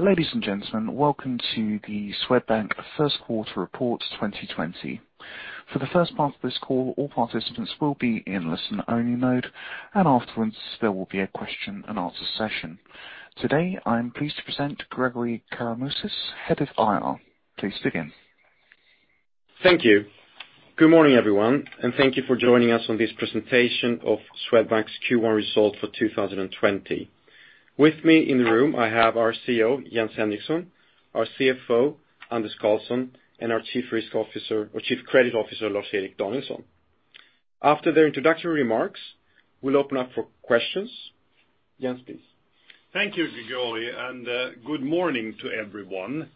Ladies and gentlemen, welcome to the Swedbank First Quarter Report 2020. For the first part of this call, all participants will be in listen-only mode, and afterwards, there will be a question and answer session. Today, I'm pleased to present Gregori Karamouzis, head of IR. Please begin. Thank you. Good morning, everyone, thank you for joining us on this presentation of Swedbank's Q1 result for 2020. With me in the room, I have our CEO, Jens Henriksson, our CFO, Anders Karlsson, and our Chief Credit Officer, Lars-Erik Danielsson. After their introductory remarks, we'll open up for questions. Jens, please. Thank you, Gregori, good morning to everyone.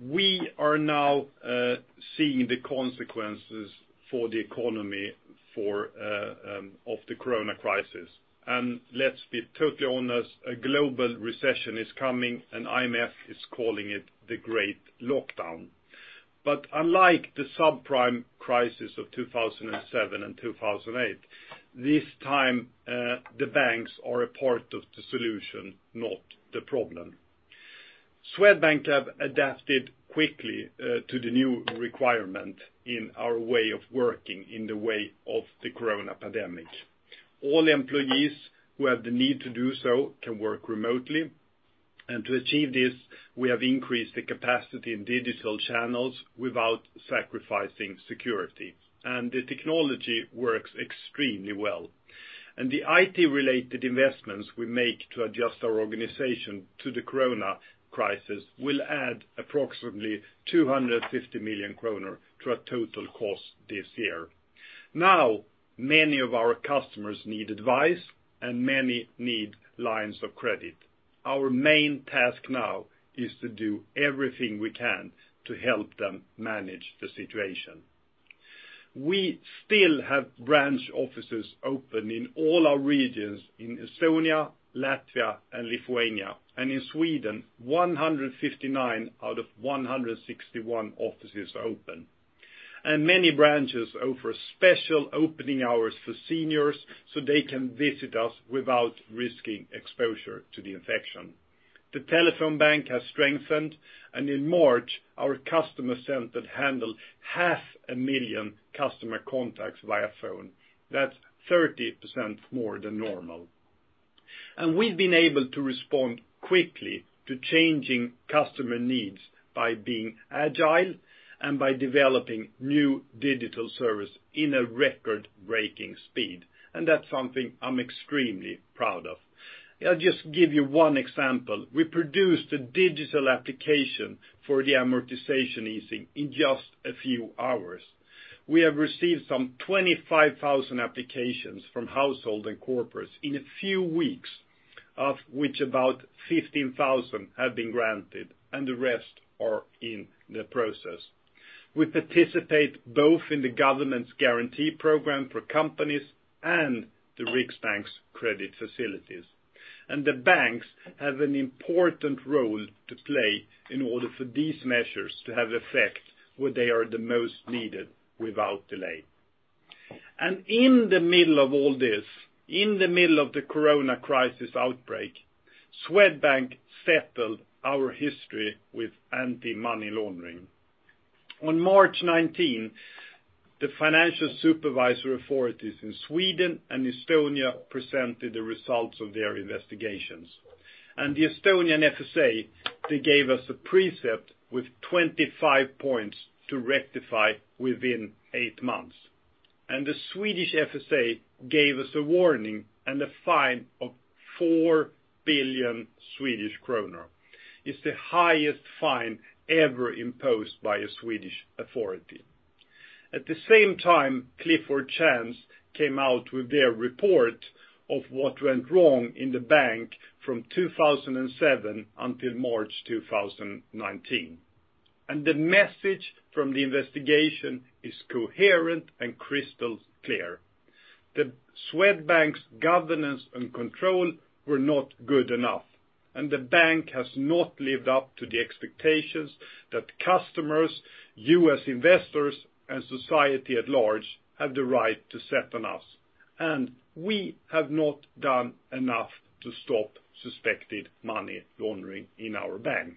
We are now seeing the consequences for the economy of the Corona crisis. Let's be totally honest, a global recession is coming, IMF is calling it the Great Lockdown. Unlike the subprime crisis of 2007 and 2008, this time the banks are a part of the solution, not the problem. Swedbank have adapted quickly to the new requirement in our way of working in the way of the Corona pandemic. All employees who have the need to do so can work remotely. To achieve this, we have increased the capacity in digital channels without sacrificing security. The technology works extremely well. The IT-related investments we make to adjust our organization to the Corona crisis will add approximately 250 million kronor to our total cost this year. Many of our customers need advice, and many need lines of credit. Our main task now is to do everything we can to help them manage the situation. We still have branch offices open in all our regions in Estonia, Latvia, and Lithuania. In Sweden, 159 out of 161 offices are open. Many branches offer special opening hours for seniors so they can visit us without risking exposure to the infection. The telephone bank has strengthened, and in March, our customer center handled half a million customer contacts via phone. That's 30% more than normal. We've been able to respond quickly to changing customer needs by being agile and by developing new digital service in a record-breaking speed. That's something I'm extremely proud of. I'll just give you one example. We produced a digital application for the amortization easing in just a few hours. We have received some 25,000 applications from household and corporates in a few weeks, of which about 15,000 have been granted, and the rest are in the process. We participate both in the government's guarantee program for companies and the Riksbank's credit facilities. The banks have an important role to play in order for these measures to have effect where they are the most needed without delay. In the middle of all this, in the middle of the Corona crisis outbreak, Swedbank settled our history with anti-money laundering. On March 19, the financial supervisor authorities in Sweden and Estonia presented the results of their investigations. The Estonian FSA, they gave us a precept with 25 points to rectify within eight months. The Swedish FSA gave us a warning and a fine of 4 billion Swedish kronor. It's the highest fine ever imposed by a Swedish authority. Clifford Chance came out with their report of what went wrong in the bank from 2007 until March 2019. The message from the investigation is coherent and crystal clear. Swedbank's governance and control were not good enough, and the bank has not lived up to the expectations that customers, U.S. investors, and society at large have the right to set on us, and we have not done enough to stop suspected money laundering in our bank.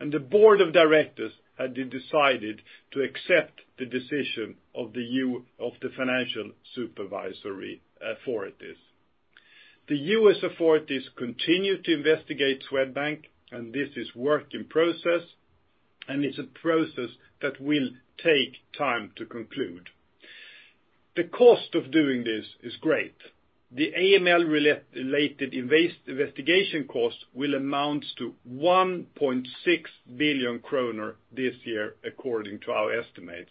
The board of directors had decided to accept the decision of the financial supervisory authorities. The U.S. authorities continue to investigate Swedbank. This is work in process. It's a process that will take time to conclude. The cost of doing this is great. The AML-related investigation cost will amount to 1.6 billion kronor this year, according to our estimates.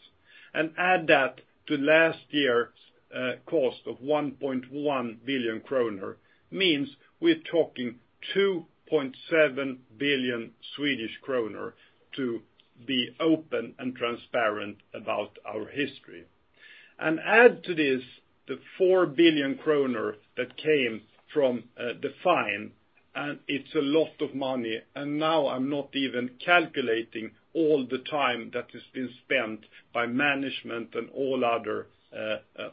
Add that to last year's cost of 1.1 billion kronor means we're talking 2.7 billion Swedish kronor to be open and transparent about our history. Add to this, the 4 billion kronor that came from the fine, it's a lot of money, now I'm not even calculating all the time that has been spent by management and all other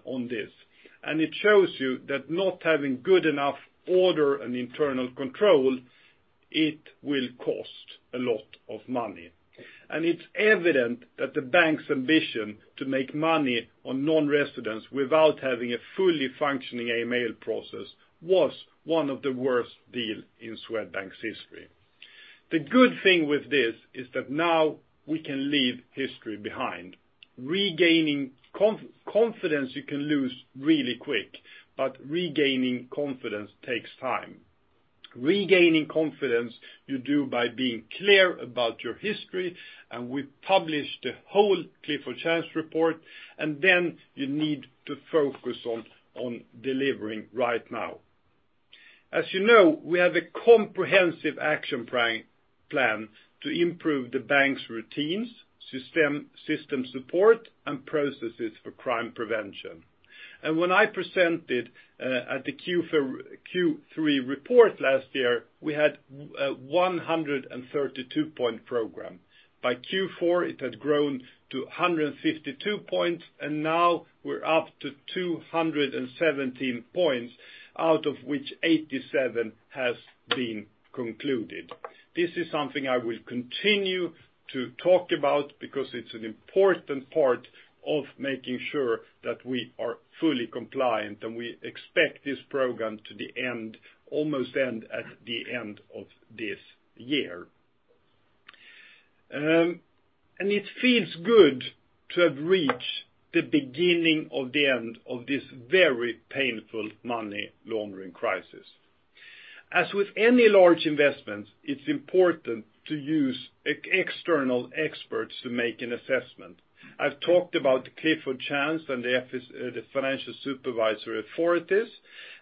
on this. It shows you that not having good enough order and internal control. It will cost a lot of money. It's evident that the bank's ambition to make money on non-residents without having a fully functioning AML process was one of the worst deal in Swedbank's history. The good thing with this is that now we can leave history behind. Confidence you can lose really quick, regaining confidence takes time. Regaining confidence you do by being clear about your history. We published the whole Clifford Chance report. Then you need to focus on delivering right now. As you know, we have a comprehensive action plan to improve the bank's routines, system support, and processes for crime prevention. When I presented at the Q3 report last year, we had a 132-point program. By Q4, it had grown to 152 points. Now we're up to 217 points, out of which 87 has been concluded. This is something I will continue to talk about because it's an important part of making sure that we are fully compliant. We expect this program to almost end at the end of this year. It feels good to have reached the beginning of the end of this very painful money laundering crisis. As with any large investment, it's important to use external experts to make an assessment. I've talked about the Clifford Chance and the Financial Supervisory Authorities.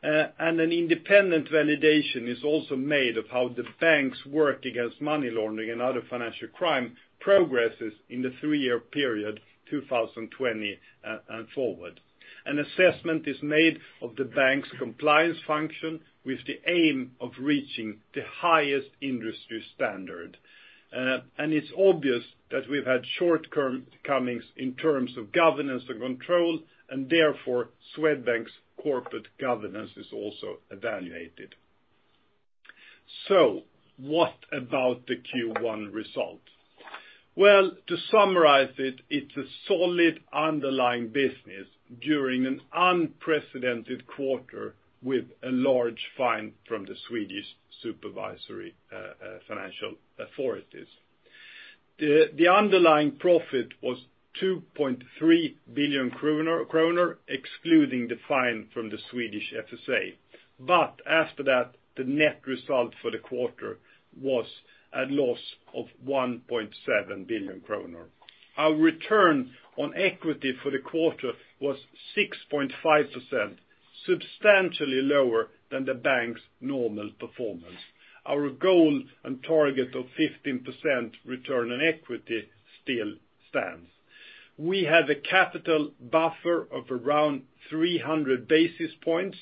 An independent validation is also made of how the banks work against money laundering and other financial crime progresses in the three-year period 2020 and forward. An assessment is made of the bank's compliance function with the aim of reaching the highest industry standard. It's obvious that we've had shortcomings in terms of governance and control, therefore, Swedbank's corporate governance is also evaluated. What about the Q1 result? To summarize it's a solid underlying business during an unprecedented quarter with a large fine from the Swedish Financial Supervisory Authorities. The underlying profit was 2.3 billion kronor, excluding the fine from the Swedish FSA. After that, the net result for the quarter was a loss of 1.7 billion kronor. Our return on equity for the quarter was 6.5%, substantially lower than the bank's normal performance. Our goal and target of 15% return on equity still stands. We have a capital buffer of around 300 basis points,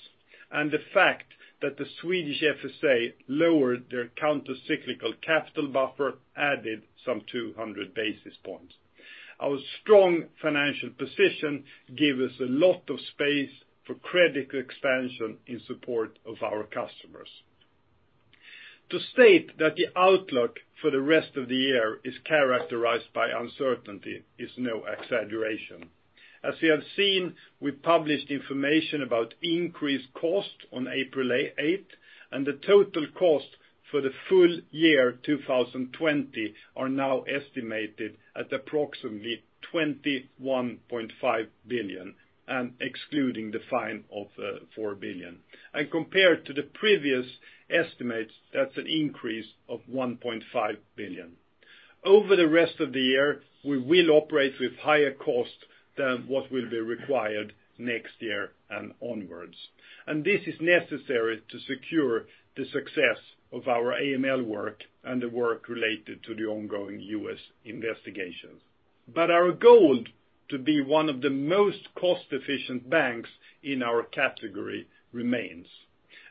and the fact that the Swedish FSA lowered their countercyclical capital buffer added some 200 basis points. Our strong financial position give us a lot of space for credit expansion in support of our customers. To state that the outlook for the rest of the year is characterized by uncertainty is no exaggeration. As you have seen, we published information about increased cost on April 8th, and the total cost for the full year 2020 are now estimated at approximately 21.5 billion and excluding the fine of 4 billion. Compared to the previous estimates, that's an increase of 1.5 billion. Over the rest of the year, we will operate with higher cost than what will be required next year and onwards. This is necessary to secure the success of our AML work and the work related to the ongoing U.S. investigations. Our goal to be one of the most cost-efficient banks in our category remains.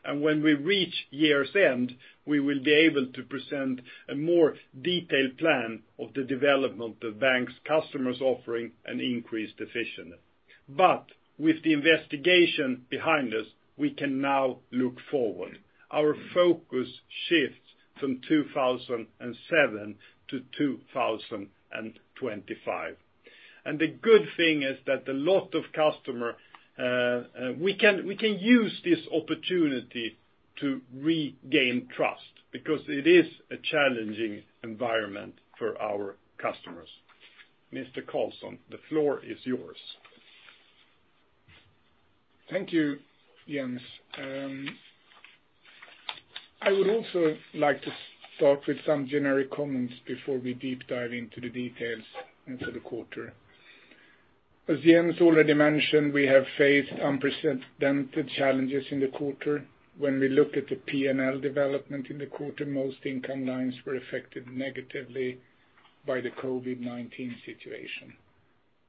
When we reach year's end, we will be able to present a more detailed plan of the development of banks, customers offering an increased efficiency. With the investigation behind us, we can now look forward. Our focus shifts from 2007-2025. The good thing is that We can use this opportunity to regain trust because it is a challenging environment for our customers. Mr. Karlsson, the floor is yours. Thank you, Jens. I would also like to start with some generic comments before we deep dive into the details into the quarter. As Jens already mentioned, we have faced unprecedented challenges in the quarter. When we look at the P&L development in the quarter, most income lines were affected negatively by the COVID-19 situation.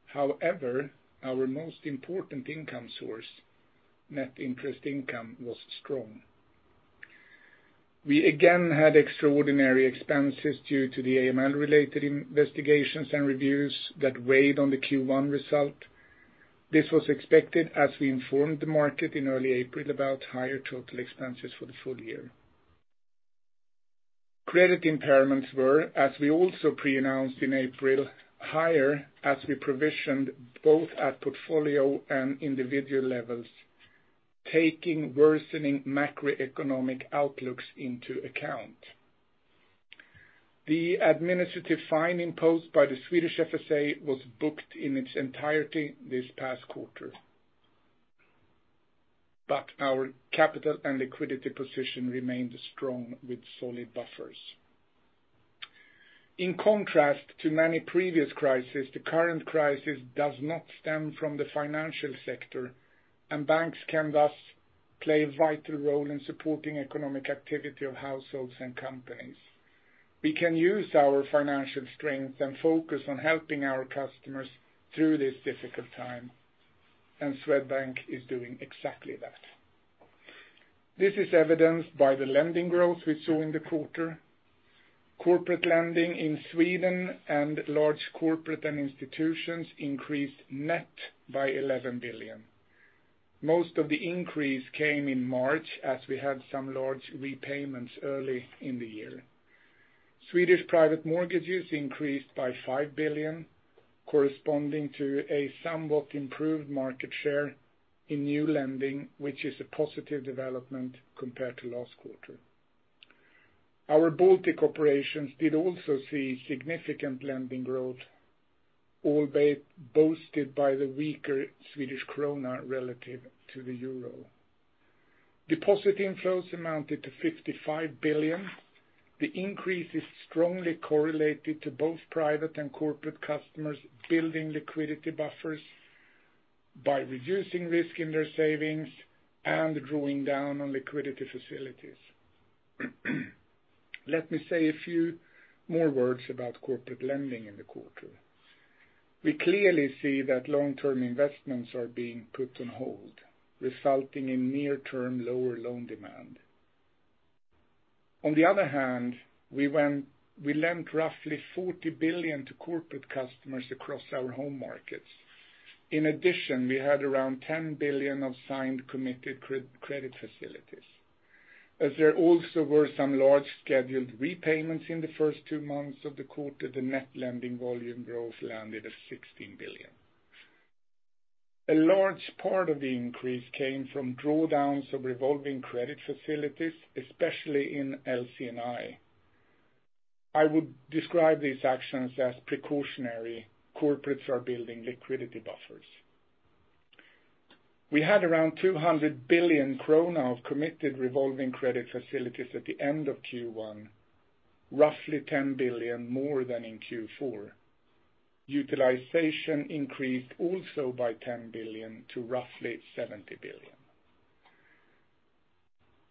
However, our most important income source, net interest income, was strong. We again had extraordinary expenses due to the AML-related investigations and reviews that weighed on the Q1 result. This was expected as we informed the market in early April about higher total expenses for the full year. Credit impairments were, as we also pre-announced in April, higher as we provisioned both at portfolio and individual levels, taking worsening macroeconomic outlooks into account. The administrative fine imposed by the Swedish FSA was booked in its entirety this past quarter. Our capital and liquidity position remained strong with solid buffers. In contrast to many previous crises, the current crisis does not stem from the financial sector, and banks can thus play a vital role in supporting economic activity of households and companies. We can use our financial strength and focus on helping our customers through this difficult time, and Swedbank is doing exactly that. This is evidenced by the lending growth we saw in the quarter. Corporate lending in Sweden and large corporate and institutions increased net by 11 billion. Most of the increase came in March as we had some large repayments early in the year. Swedish private mortgages increased by 5 billion, corresponding to a somewhat improved market share in new lending, which is a positive development compared to last quarter. Our Baltic operations did also see significant lending growth, albeit boosted by the weaker Swedish krona relative to the Euro. Deposit inflows amounted to 55 billion. The increase is strongly correlated to both private and corporate customers building liquidity buffers by reducing risk in their savings and drawing down on liquidity facilities. Let me say a few more words about corporate lending in the quarter. We clearly see that long-term investments are being put on hold, resulting in near-term lower loan demand. On the other hand, we lent roughly 40 billion to corporate customers across our home markets. In addition, we had around 10 billion of signed committed credit facilities. As there also were some large scheduled repayments in the first two months of the quarter, the net lending volume growth landed at 16 billion. A large part of the increase came from drawdowns of revolving credit facilities, especially in LC&I. I would describe these actions as precautionary. Corporates are building liquidity buffers. We had around 200 billion krona of committed revolving credit facilities at the end of Q1, roughly 10 billion more than in Q4. Utilization increased also by 10 billion to roughly 70 billion.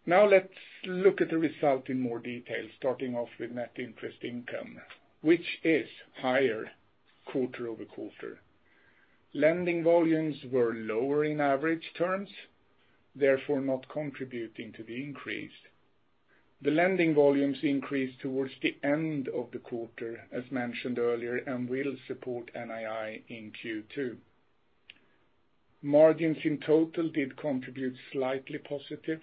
Let's look at the result in more detail, starting off with net interest income, which is higher quarter-over-quarter. Lending volumes were lower in average terms, therefore not contributing to the increase. The lending volumes increased towards the end of the quarter, as mentioned earlier, and will support NII in Q2. Margins in total did contribute slightly positive.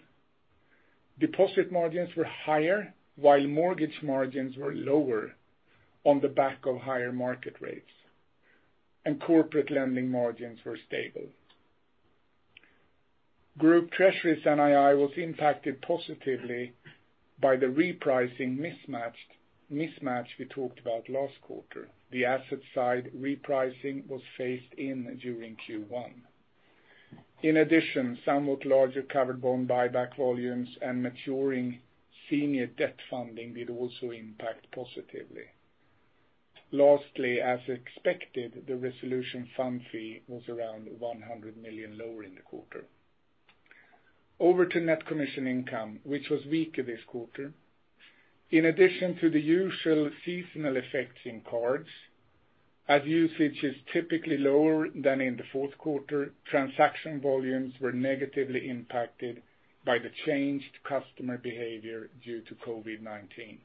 Deposit margins were higher, while mortgage margins were lower on the back of higher market rates, corporate lending margins were stable. Group Treasury's NII was impacted positively by the repricing mismatch we talked about last quarter. The asset side repricing was phased in during Q1. In addition, somewhat larger covered bond buyback volumes and maturing senior debt funding did also impact positively. Lastly, as expected, the resolution fund fee was around 100 million lower in the quarter. Over to net commission income, which was weaker this quarter. In addition to the usual seasonal effects in cards, as usage is typically lower than in the fourth quarter, transaction volumes were negatively impacted by the changed customer behavior due to COVID-19.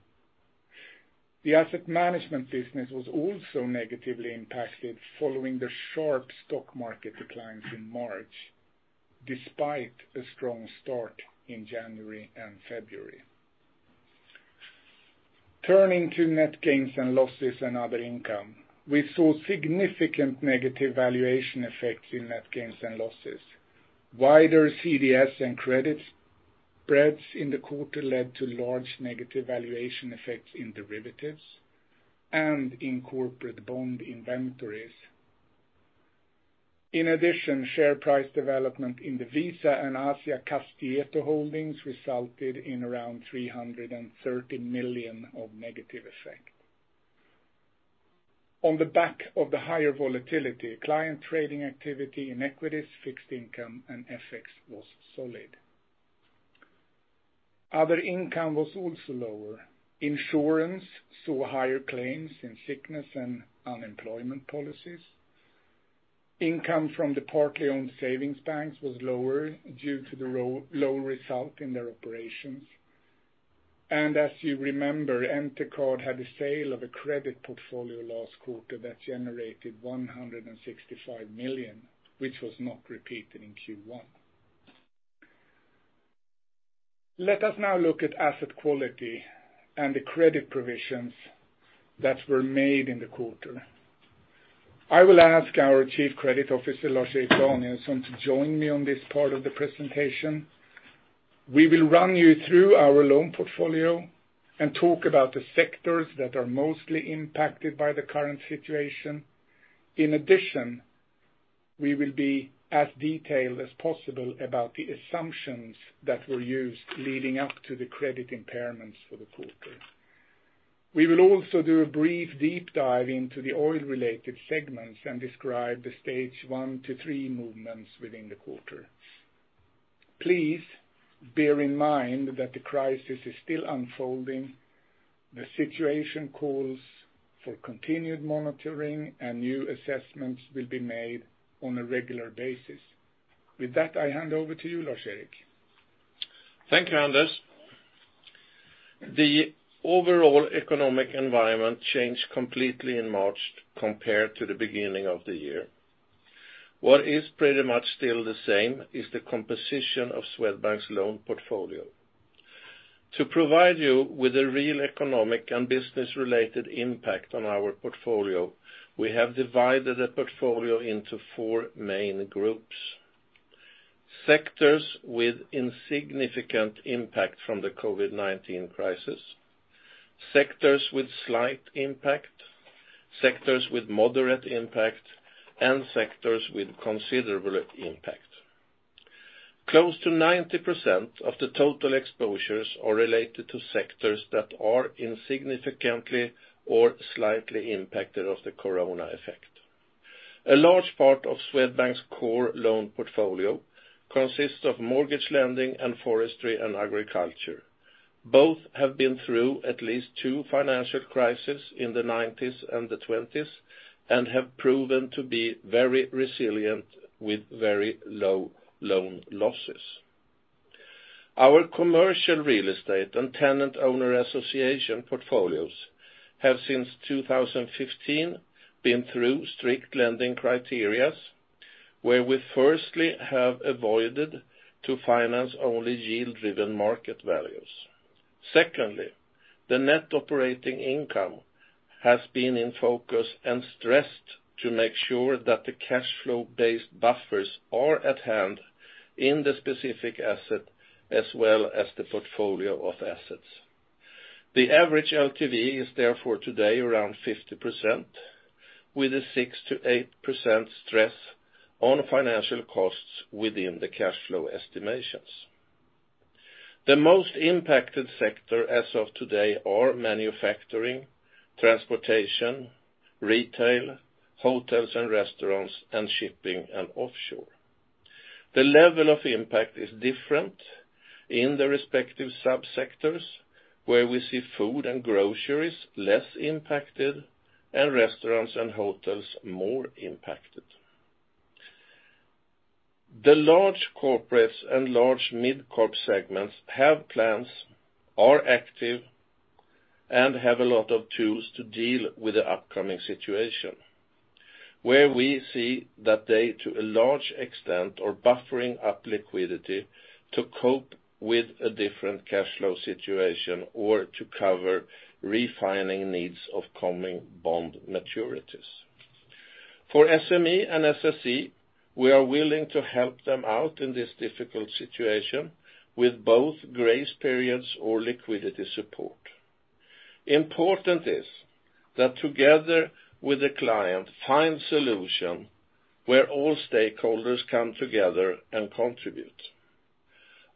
The asset management business was also negatively impacted following the sharp stock market declines in March, despite a strong start in January and February. Turning to net gains and losses and other income, we saw significant negative valuation effects in net gains and losses. Wider CDS and credit spreads in the quarter led to large negative valuation effects in derivatives and in corporate bond inventories. In addition, share price development in the Visa and Asiakastieto holdings resulted in around 330 million of negative effect. On the back of the higher volatility, client trading activity in equities, fixed income, and FX was solid. Other income was also lower. Insurance saw higher claims in sickness and unemployment policies. Income from the partly owned savings banks was lower due to the low result in their operations. As you remember, Entercard had a sale of a credit portfolio last quarter that generated 165 million, which was not repeated in Q1. Let us now look at asset quality and the credit provisions that were made in the quarter. I will ask our Chief Credit Officer, Lars-Erik Danielsson, to join me on this part of the presentation. We will run you through our loan portfolio and talk about the sectors that are mostly impacted by the current situation. We will be as detailed as possible about the assumptions that were used leading up to the credit impairments for the quarter. We will also do a brief deep dive into the oil-related segments and describe the stage one to three movements within the quarter. Please bear in mind that the crisis is still unfolding. The situation calls for continued monitoring, and new assessments will be made on a regular basis. With that, I hand over to you, Lars-Erik. Thank you, Anders. The overall economic environment changed completely in March compared to the beginning of the year. What is pretty much still the same is the composition of Swedbank's loan portfolio. To provide you with a real economic and business-related impact on our portfolio, we have divided the portfolio into four main groups. Sectors with insignificant impact from the COVID-19 crisis, sectors with slight impact, sectors with moderate impact, and sectors with considerable impact. Close to 90% of the total exposures are related to sectors that are insignificantly or slightly impacted of the corona effect. A large part of Swedbank's core loan portfolio consists of mortgage lending in forestry and agriculture. Both have been through at least two financial crisis in the '90s and the 2000s and have proven to be very resilient with very low loan losses. Our commercial real estate and tenant owner association portfolios have, since 2015, been through strict lending criteria, where we firstly have avoided to finance only yield-driven market values. Secondly, the net operating income has been in focus and stressed to make sure that the cash flow-based buffers are at hand in the specific asset as well as the portfolio of assets. The average LTV is therefore today around 50%, with a 6%-8% stress on financial costs within the cash flow estimations. The most impacted sector as of today are manufacturing, transportation, retail, hotels and restaurants, and shipping and offshore. The level of impact is different in the respective subsectors, where we see food and groceries less impacted and restaurants and hotels more impacted. The large corporates and large mid-corp segments have plans, are active, and have a lot of tools to deal with the upcoming situation, where we see that they, to a large extent, are buffering up liquidity to cope with a different cash flow situation or to cover refining needs of coming bond maturities. For SME and SSE, we are willing to help them out in this difficult situation with both grace periods or liquidity support. Important is that together with the client find solution where all stakeholders come together and contribute.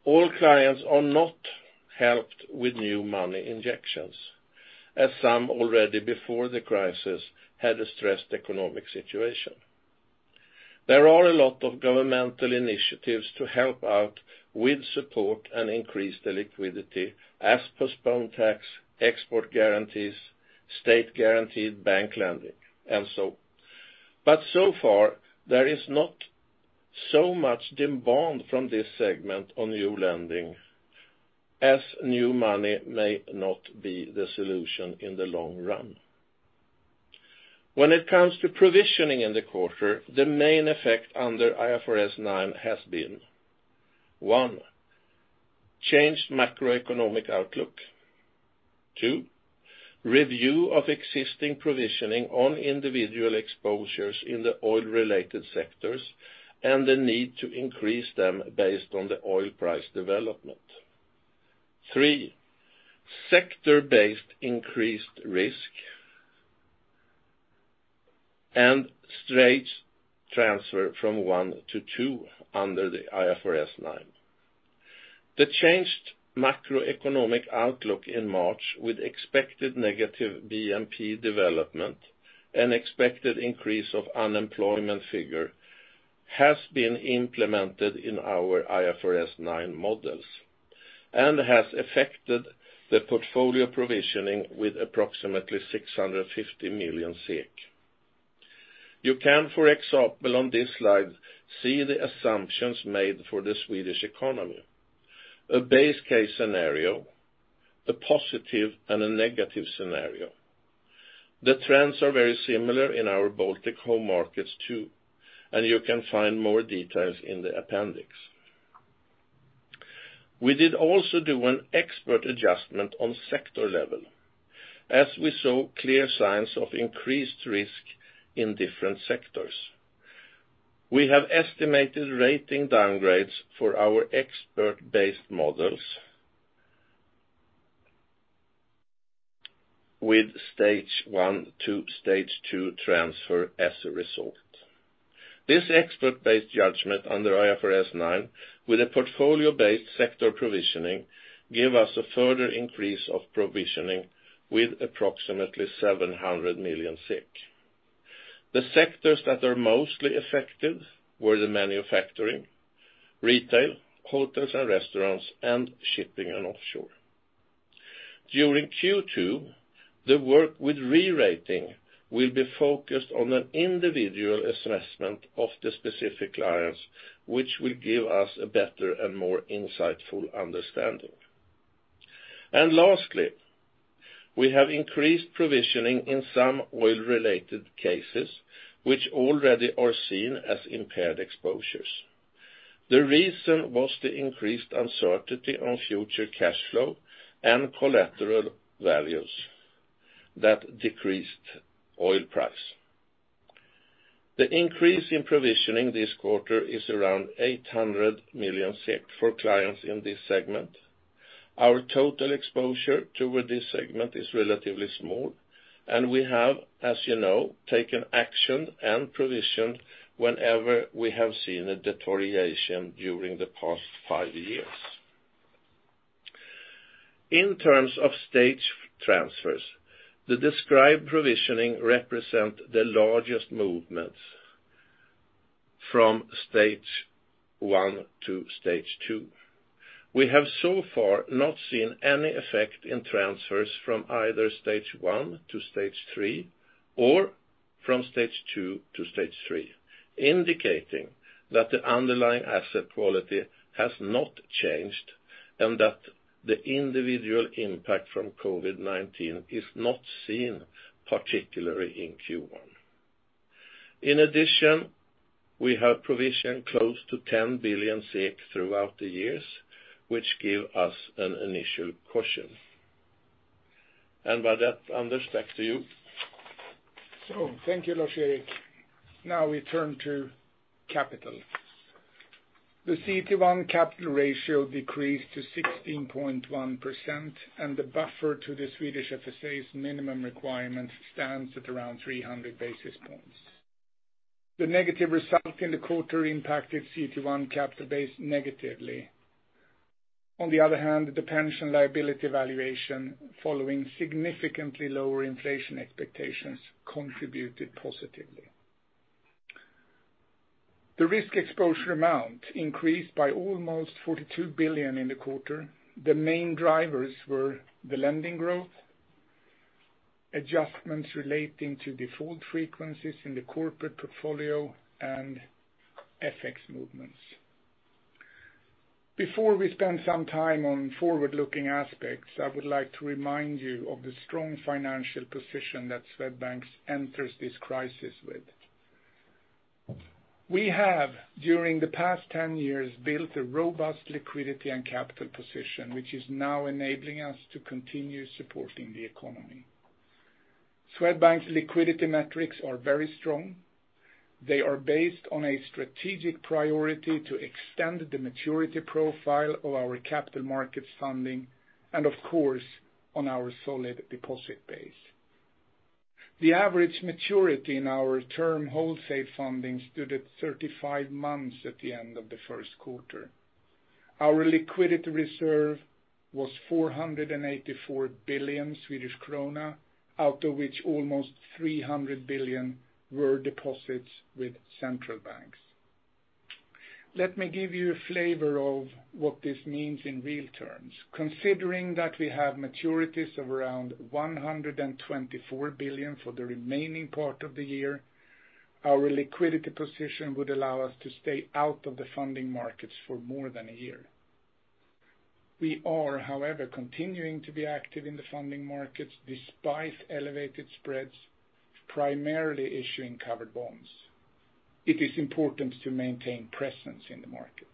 All clients are not helped with new money injections, as some already before the crisis had a stressed economic situation. There are a lot of governmental initiatives to help out with support and increase the liquidity as postponed tax, export guarantees, state-guaranteed bank lending, and so on. So far, there is not so much demand from this segment on new lending, as new money may not be the solution in the long run. When it comes to provisioning in the quarter, the main effect under IFRS 9 has been, one, changed macroeconomic outlook. Two, review of existing provisioning on individual exposures in the oil-related sectors and the need to increase them based on the oil price development. Three, sector-based increased risk. Stage transfer from one to two under the IFRS 9. The changed macroeconomic outlook in March with expected negative GDP development and expected increase of unemployment figure has been implemented in our IFRS 9 models and has affected the portfolio provisioning with approximately 650 million SEK. You can, for example, on this slide, see the assumptions made for the Swedish economy. A base case scenario, a positive and a negative scenario. The trends are very similar in our Baltic home markets too, and you can find more details in the appendix. We did also do an expert adjustment on sector level. We saw clear signs of increased risk in different sectors. We have estimated rating downgrades for our expert-based models with stage one to stage two transfer as a result. This expert-based judgment under IFRS 9 with a portfolio-based sector provisioning give us a further increase of provisioning with approximately 700 million. The sectors that are mostly affected were the manufacturing, retail, hotels and restaurants, and shipping and offshore. During Q2, the work with re-rating will be focused on an individual assessment of the specific clients, which will give us a better and more insightful understanding. Lastly, we have increased provisioning in some oil-related cases, which already are seen as impaired exposures. The reason was the increased uncertainty on future cash flow and collateral values that decreased oil price. The increase in provisioning this quarter is around 800 million SEK for clients in this segment. Our total exposure toward this segment is relatively small, and we have, as you know, taken action and provisioned whenever we have seen a deterioration during the past five years. In terms of stage transfers, the described provisioning represent the largest movements from stage one to stage two. We have so far not seen any effect in transfers from either stage one to stage three or from stage two to stage three, indicating that the underlying asset quality has not changed and that the individual impact from COVID-19 is not seen, particularly in Q1. In addition, we have provisioned close to 10 billion throughout the years, which give us an initial caution. With that, Anders, back to you. Thank you, Lars-Erik. We turn to capital. The CET1 capital ratio decreased to 16.1%, and the buffer to the Swedish FSA's minimum requirement stands at around 300 basis points. The negative result in the quarter impacted CET1 capital base negatively. The pension liability valuation following significantly lower inflation expectations contributed positively. The risk exposure amount increased by almost 42 billion in the quarter. The main drivers were the lending growth, adjustments relating to default frequencies in the corporate portfolio, and FX movements. Before we spend some time on forward-looking aspects, I would like to remind you of the strong financial position that Swedbank enters this crisis with. We have, during the past 10 years, built a robust liquidity and capital position, which is now enabling us to continue supporting the economy. Swedbank's liquidity metrics are very strong. They are based on a strategic priority to extend the maturity profile of our capital markets funding and, of course, on our solid deposit base. The average maturity in our term wholesale funding stood at 35 months at the end of the first quarter. Our liquidity reserve was 484 billion Swedish krona, out of which almost 300 billion were deposits with central banks. Let me give you a flavor of what this means in real terms. Considering that we have maturities of around 124 billion for the remaining part of the year, our liquidity position would allow us to stay out of the funding markets for more than a year. We are, however, continuing to be active in the funding markets despite elevated spreads, primarily issuing covered bonds. It is important to maintain presence in the market.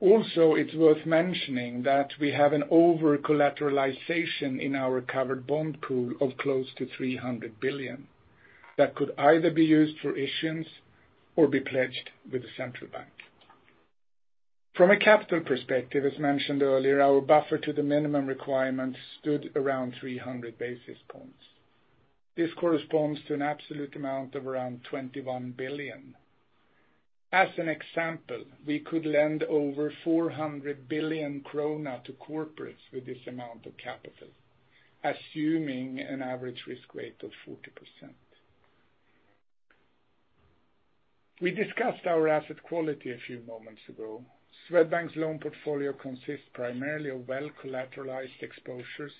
It's worth mentioning that we have an over-collateralization in our covered bond pool of close to 300 billion that could either be used for issuance or be pledged with the central bank. From a capital perspective, as mentioned earlier, our buffer to the minimum requirements stood around 300 basis points. This corresponds to an absolute amount of around 21 billion. As an example, we could lend over 400 billion krona to corporates with this amount of capital, assuming an average risk weight of 40%. We discussed our asset quality a few moments ago. Swedbank's loan portfolio consists primarily of well-collateralized exposures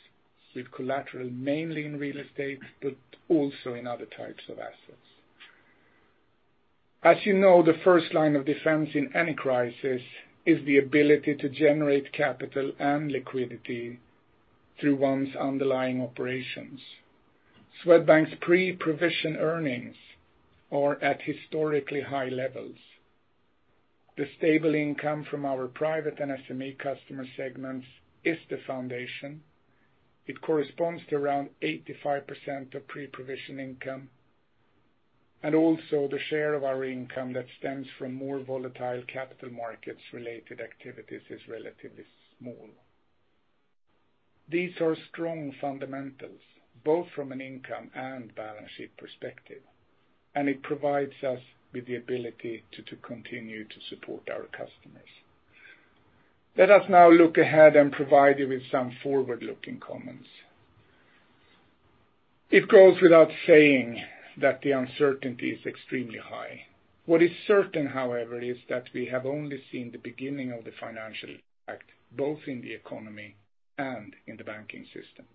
with collateral mainly in real estate, but also in other types of assets. As you know, the first line of defense in any crisis is the ability to generate capital and liquidity through one's underlying operations. Swedbank's pre-provision earnings are at historically high levels. The stable income from our private and SME customer segments is the foundation. It corresponds to around 85% of pre-provision income, and also the share of our income that stems from more volatile capital markets related activities is relatively small. These are strong fundamentals, both from an income and balance sheet perspective, and it provides us with the ability to continue to support our customers. Let us now look ahead and provide you with some forward-looking comments. It goes without saying that the uncertainty is extremely high. What is certain, however, is that we have only seen the beginning of the financial impact, both in the economy and in the banking system.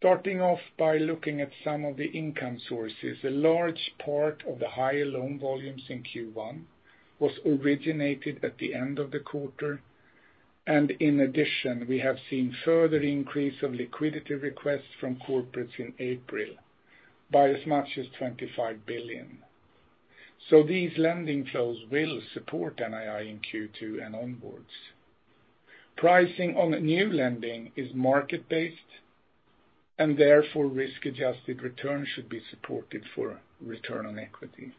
Starting off by looking at some of the income sources, a large part of the higher loan volumes in Q1 was originated at the end of the quarter. In addition, we have seen further increase of liquidity requests from corporates in April by as much as 25 billion. These lending flows will support NII in Q2 and onwards. Pricing on new lending is market-based and therefore risk-adjusted returns should be supported for return on equity.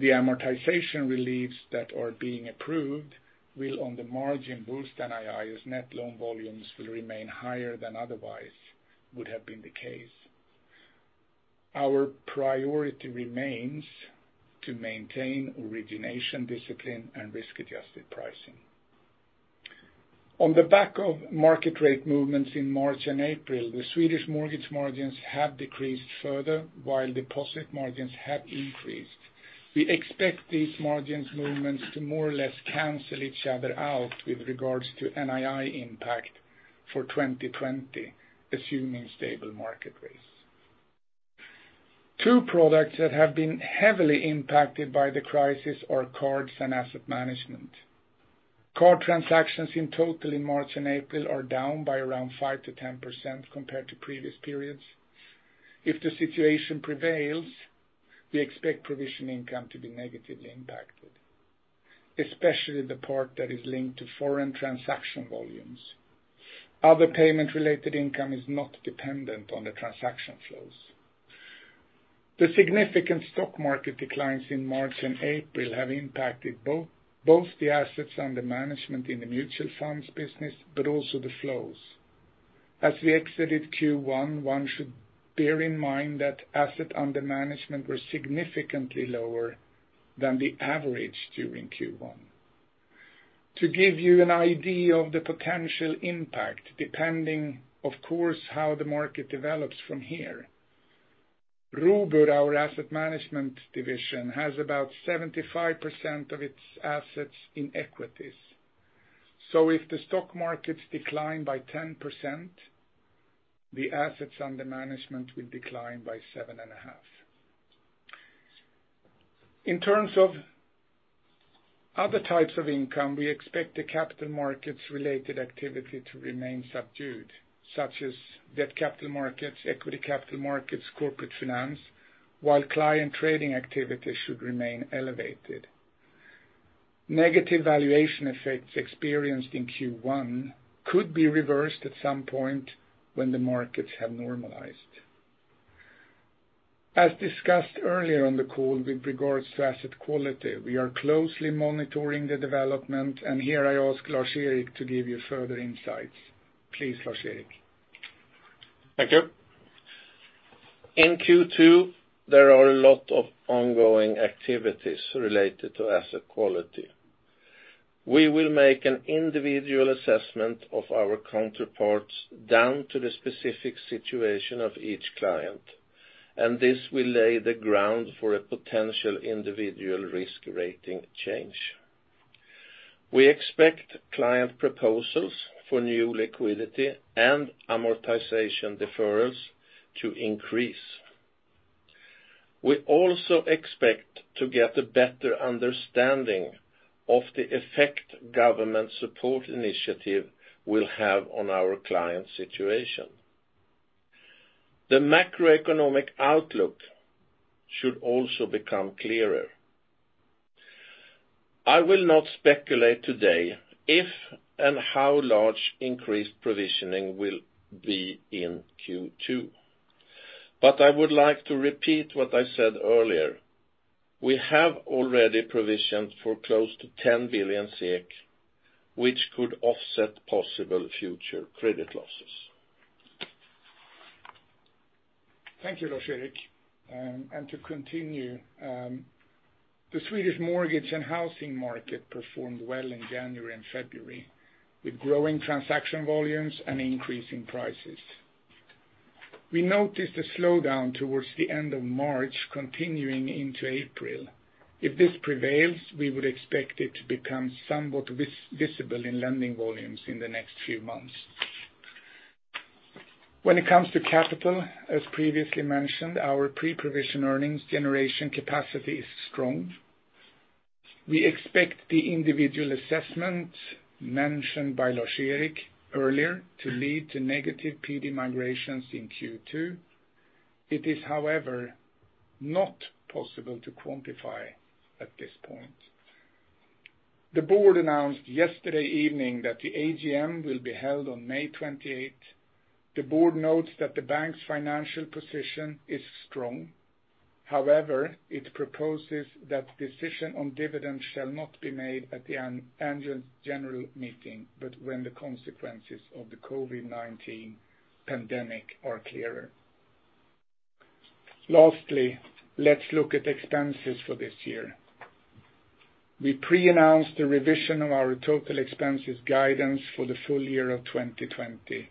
The amortization reliefs that are being approved will, on the margin, boost NII as net loan volumes will remain higher than otherwise would have been the case. Our priority remains to maintain origination discipline and risk-adjusted pricing. On the back of market rate movements in March and April, the Swedish mortgage margins have decreased further while deposit margins have increased. We expect these margins movements to more or less cancel each other out with regards to NII impact for 2020, assuming stable market rates. Two products that have been heavily impacted by the crisis are cards and asset management. Card transactions in total in March and April are down by around 5%-10% compared to previous periods. If the situation prevails, we expect provision income to be negatively impacted, especially the part that is linked to foreign transaction volumes. Other payment-related income is not dependent on the transaction flows. The significant stock market declines in March and April have impacted both the assets under management in the mutual funds business, also the flows. As we exited Q1, one should bear in mind that assets under management were significantly lower than the average during Q1. To give you an idea of the potential impact, depending, of course, how the market develops from here, Robur, our asset management division, has about 75% of its assets in equities. If the stock markets decline by 10%, the assets under management will decline by seven and a half. In terms of other types of income, we expect the capital markets related activity to remain subdued, such as debt capital markets, equity capital markets, corporate finance, while client trading activity should remain elevated. Negative valuation effects experienced in Q1 could be reversed at some point when the markets have normalized. As discussed earlier on the call with regards to asset quality, we are closely monitoring the development. Here I ask Lars-Erik to give you further insights. Please, Lars-Erik. Thank you. In Q2, there are a lot of ongoing activities related to asset quality. We will make an individual assessment of our counterparts down to the specific situation of each client, and this will lay the ground for a potential individual risk rating change. We expect client proposals for new liquidity and amortization deferrals to increase. We also expect to get a better understanding of the effect government support initiative will have on our client situation. The macroeconomic outlook should also become clearer. I will not speculate today if and how large increased provisioning will be in Q2. I would like to repeat what I said earlier, we have already provisioned for close to 10 billion SEK, which could offset possible future credit losses. Thank you, Lars-Erik. To continue, the Swedish mortgage and housing market performed well in January and February, with growing transaction volumes and increasing prices. We noticed a slowdown towards the end of March, continuing into April. If this prevails, we would expect it to become somewhat visible in lending volumes in the next few months. When it comes to capital, as previously mentioned, our pre-provision earnings generation capacity is strong. We expect the individual assessment mentioned by Lars-Erik earlier to lead to negative PD migrations in Q2. It is, however, not possible to quantify at this point. The board announced yesterday evening that the AGM will be held on May 28th. The board notes that the bank's financial position is strong. However, it proposes that decision on dividends shall not be made at the annual general meeting, but when the consequences of the COVID-19 pandemic are clearer. Lastly, let's look at expenses for this year. We pre-announced a revision of our total expenses guidance for the full year of 2020.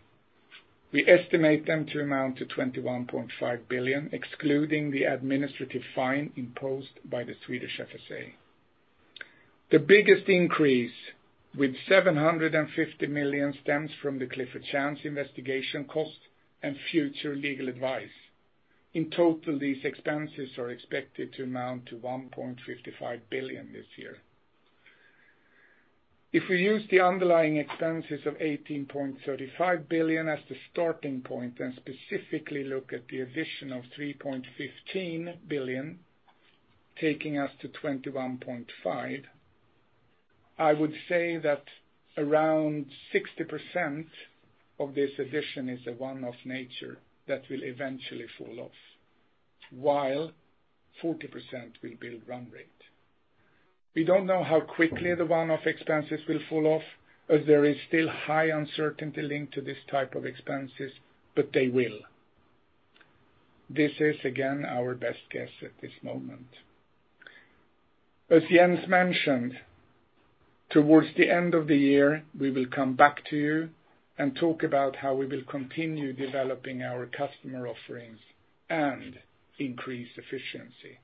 We estimate them to amount to 21.5 billion, excluding the administrative fine imposed by the Swedish FSA. The biggest increase with 750 million stems from the Clifford Chance investigation cost and future legal advice. In total, these expenses are expected to amount to 1.55 billion this year. If we use the underlying expenses of 18.35 billion as the starting point and specifically look at the addition of 3.15 billion, taking us to 21.5, I would say that around 60% of this addition is a one-off nature that will eventually fall off, while 40% will be run rate. We don't know how quickly the one-off expenses will fall off, as there is still high uncertainty linked to this type of expenses, but they will. This is again, our best guess at this moment. As Jens mentioned, towards the end of the year, we will come back to you and talk about how we will continue developing our customer offerings and increase efficiency.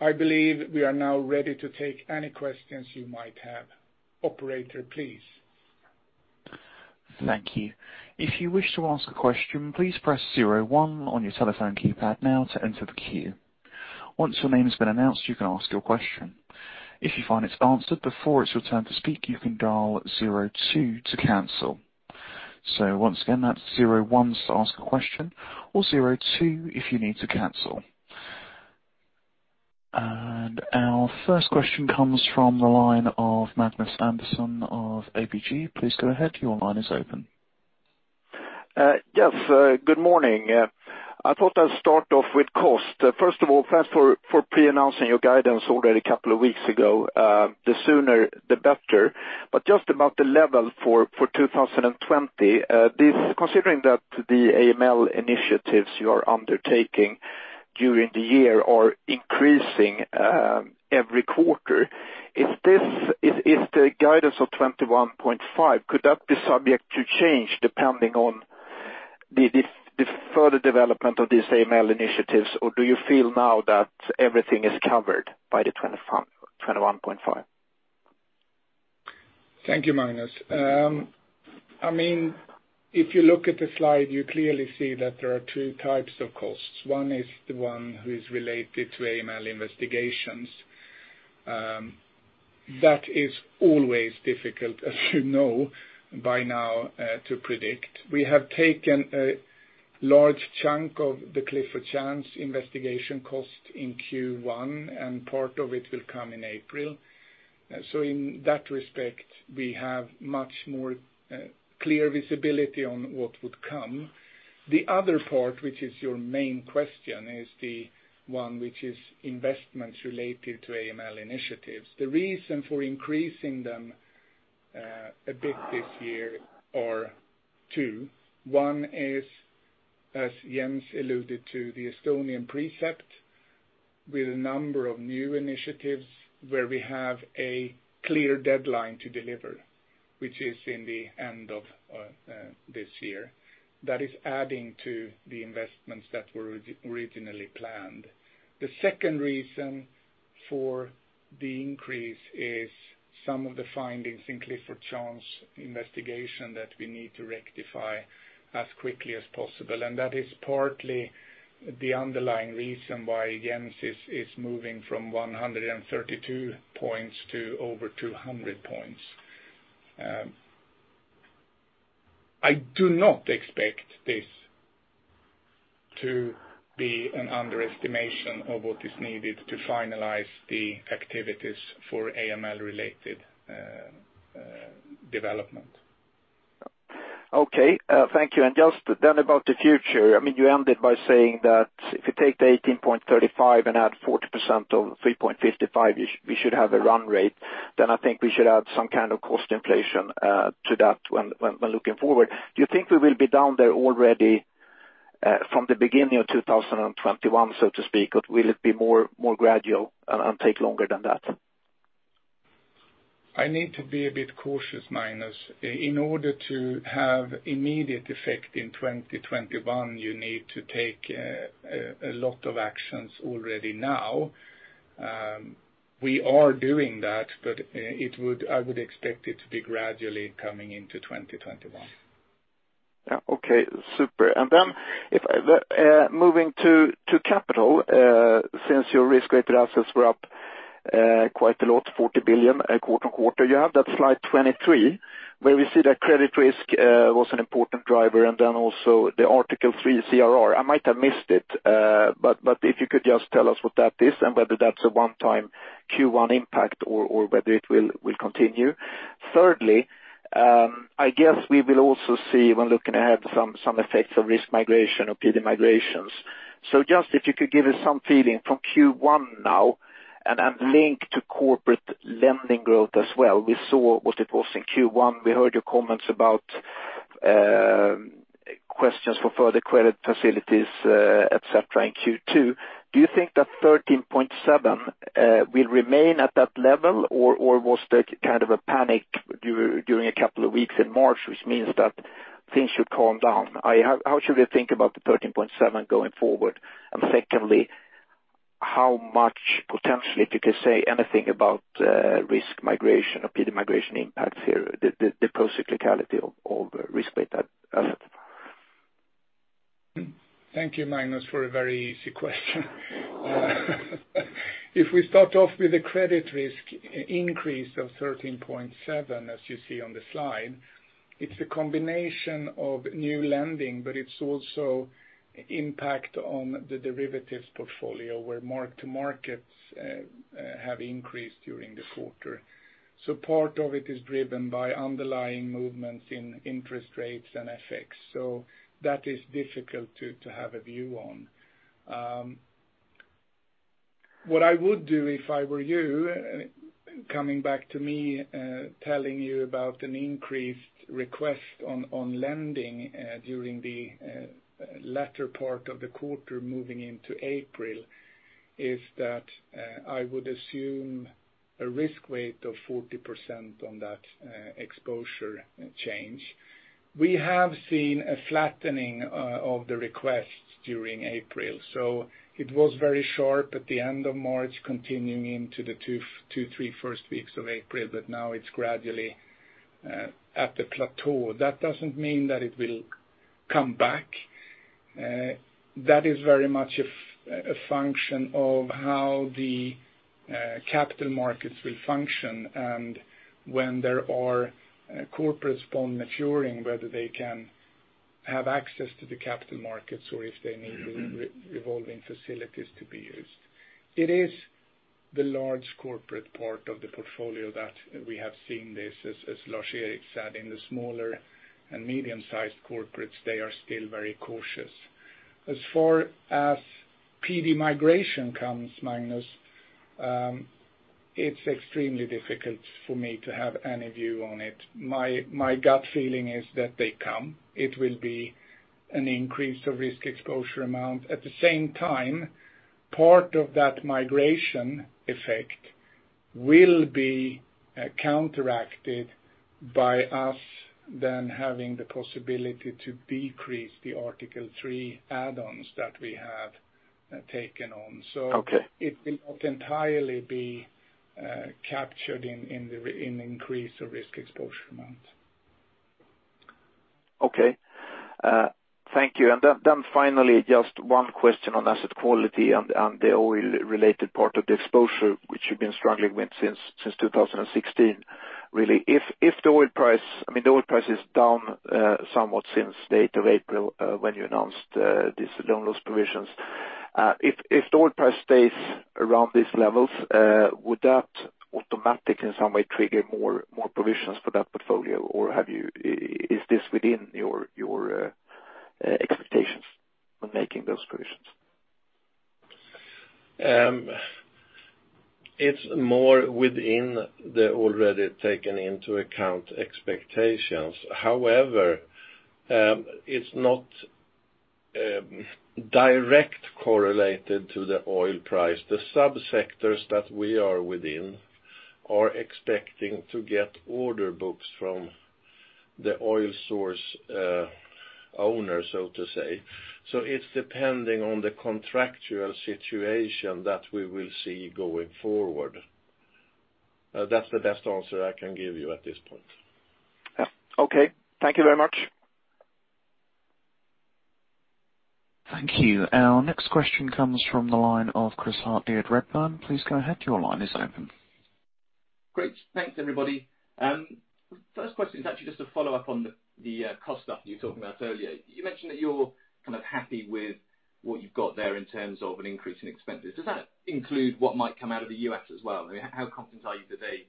I believe we are now ready to take any questions you might have. Operator, please. Our first question comes from the line of Magnus Andersson of ABG. Please go ahead. Your line is open. Yes. Good morning. I thought I'd start off with cost. First of all, thanks for pre-announcing your guidance already a couple of weeks ago. The sooner the better. Just about the level for 2020, considering that the AML initiatives you are undertaking during the year are increasing every quarter. Is the guidance of 21.5, could that be subject to change depending on the further development of these AML initiatives? Do you feel now that everything is covered by the 21.5? Thank you, Magnus. If you look at the slide, you clearly see that there are two types of costs. One is the one who is related to AML investigations. That is always difficult as you know by now, to predict. We have taken a large chunk of the Clifford Chance investigation cost in Q1. Part of it will come in April. In that respect, we have much more clear visibility on what would come. The other part, which is your main question, is the one which is investments related to AML initiatives. The reason for increasing them a bit this year are two. One is, as Jens alluded to, the Estonian precept with a number of new initiatives where we have a clear deadline to deliver, which is in the end of this year. That is adding to the investments that were originally planned. The second reason for the increase is some of the findings in Clifford Chance investigation that we need to rectify as quickly as possible. That is partly the underlying reason why Jens is moving from 132 points to over 200 points. I do not expect this to be an underestimation of what is needed to finalize the activities for AML-related development. Okay, thank you. Just then about the future. You ended by saying that if you take the 18.35 and add 40% of 3.55, we should have a run rate. I think we should add some kind of cost inflation to that when looking forward. Do you think we will be down there already from the beginning of 2021, so to speak, or will it be more gradual and take longer than that? I need to be a bit cautious, Magnus. In order to have immediate effect in 2021, you need to take a lot of actions already now. We are doing that, but I would expect it to be gradually coming into 2021. Okay, super. Moving to capital, since your risk-weighted assets were up quite a lot, 40 billion quarter-on-quarter, you have that slide 23 where we see that credit risk was an important driver and then also the Article 3 CRR. I might have missed it, but if you could just tell us what that is and whether that's a one-time Q1 impact or whether it will continue. Thirdly, I guess we will also see, when looking ahead, some effects of risk migration or PD migrations. Just if you could give us some feeling from Q1 now and link to corporate lending growth as well. We saw what it was in Q1. We heard your comments about questions for further credit facilities, et cetera, in Q2. Do you think that 13.7 will remain at that level or was that kind of a panic during a couple of weeks in March, which means that things should calm down? How should we think about the 13.7 going forward? Secondly, how much potentially, if you could say anything about risk migration or PD migration impacts here, the procyclicality of risk-weighted assets. Thank you, Magnus, for a very easy question. If we start off with the credit risk increase of 13.7, as you see on the slide, it's a combination of new lending, but it's also impact on the derivatives portfolio where mark to markets have increased during the quarter. Part of it is driven by underlying movements in interest rates and FX. That is difficult to have a view on. What I would do if I were you, coming back to me telling you about an increased request on lending during the latter part of the quarter moving into April, is that I would assume a risk weight of 40% on that exposure change. We have seen a flattening of the requests during April, so it was very sharp at the end of March, continuing into the two, three first weeks of April, but now it's gradually at a plateau. That doesn't mean that it will come back. That is very much a function of how the capital markets will function and when there are corporates bond maturing, whether they can have access to the capital markets or if they need revolving facilities to be used. It is the large corporate part of the portfolio that we have seen this, as Lars-Erik said, in the smaller and medium-sized corporates, they are still very cautious. As far as PD migration comes, Magnus, it's extremely difficult for me to have any view on it. My gut feeling is that they come. It will be an increase of risk exposure amount. At the same time, part of that migration effect will be counteracted by us than having the possibility to decrease the Article 3 add-ons that we have taken on. Okay. It will not entirely be captured in increase of risk exposure amount. Okay. Thank you. Finally, just one question on asset quality and the oil-related part of the exposure, which you've been struggling with since 2016. Really, the oil price is down somewhat since the 8th of April, when you announced these loan loss provisions. If the oil price stays around these levels, would that automatically in some way trigger more provisions for that portfolio? Or is this within your expectations when making those provisions? It's more within the already taken into account expectations. However, it's not directly correlated to the oil price. The sub-sectors that we are within are expecting to get order books from the oil source owner, so to say. It's depending on the contractual situation that we will see going forward. That's the best answer I can give you at this point. Yeah. Okay. Thank you very much. Thank you. Our next question comes from the line of Chris Hart at Redburn. Please go ahead. Your line is open. Great. Thanks, everybody. First question is actually just a follow-up on the cost stuff you were talking about earlier. You mentioned that you're kind of happy with what you've got there in terms of an increase in expenses. Does that include what might come out of the U.S. as well? How confident are you that they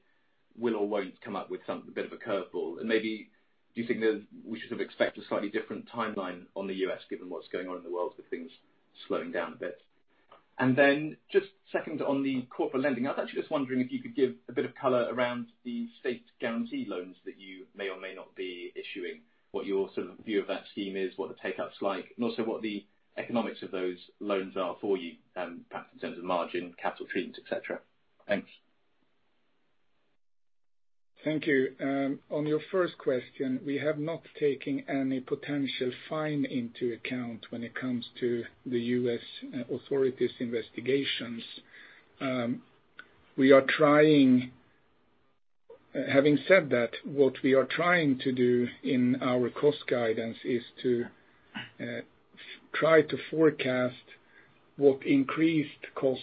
will or won't come up with some bit of a curveball? Maybe do you think that we should expect a slightly different timeline on the U.S. given what's going on in the world with things slowing down a bit? Just second on the corporate lending, I was actually just wondering if you could give a bit of color around the state guarantee loans that you may or may not be issuing, what your view of that scheme is, what the take-up's like, and also what the economics of those loans are for you, perhaps in terms of margin, capital treatment, et cetera. Thanks. Thank you. On your first question, we have not taken any potential fine into account when it comes to the U.S. authorities' investigations. Having said that, what we are trying to do in our cost guidance is to try to forecast what increased cost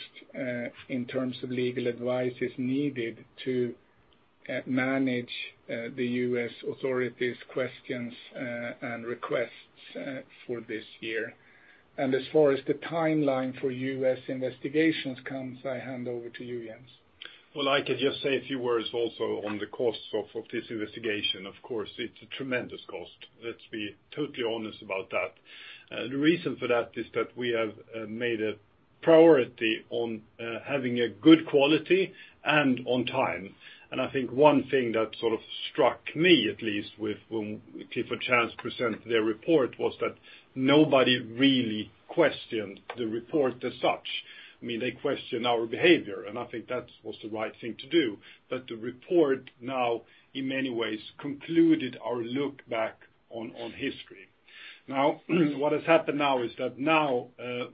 in terms of legal advice is needed to manage the U.S. authorities' questions and requests for this year. As far as the timeline for U.S. investigations comes, I hand over to you, Jens. Well, I could just say a few words also on the cost of this investigation. Of course, it's a tremendous cost. Let's be totally honest about that. The reason for that is that we have made a priority on having a good quality and on time. I think one thing that struck me at least when Clifford Chance presented their report was that nobody really questioned the report as such. They questioned our behavior, and I think that was the right thing to do. The report now, in many ways, concluded our look back on history. What has happened now is that now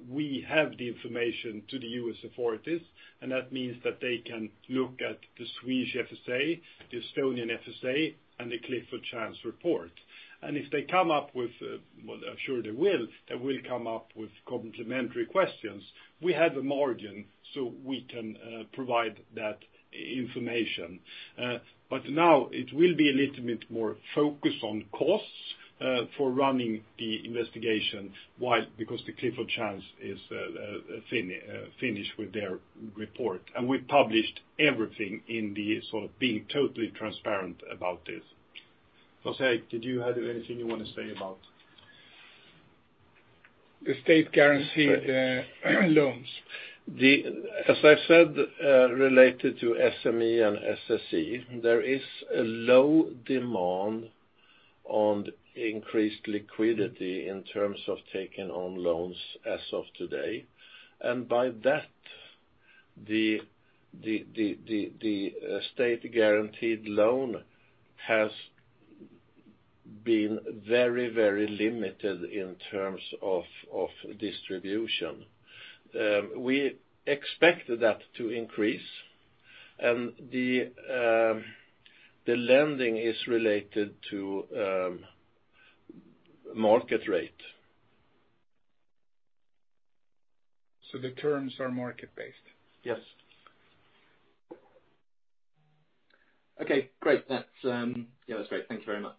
we have the information to the U.S. authorities, and that means that they can look at the Swedish FSA, the Estonian FSA, and the Clifford Chance report. If they come up with, well, I'm sure they will come up with complementary questions. We have a margin, we can provide that information. Now it will be a little bit more focused on costs for running the investigation. Why? Because the Clifford Chance is finished with their report, and we published everything. José, did you have anything you want to say about The state guarantee loans. As I've said, related to SME and SSE, there is a low demand on increased liquidity in terms of taking on loans as of today. By that, the state guaranteed loan has been very limited in terms of distribution. We expect that to increase, and the lending is related to market rate. The terms are market-based? Yes. Okay, great. That's great. Thank you very much.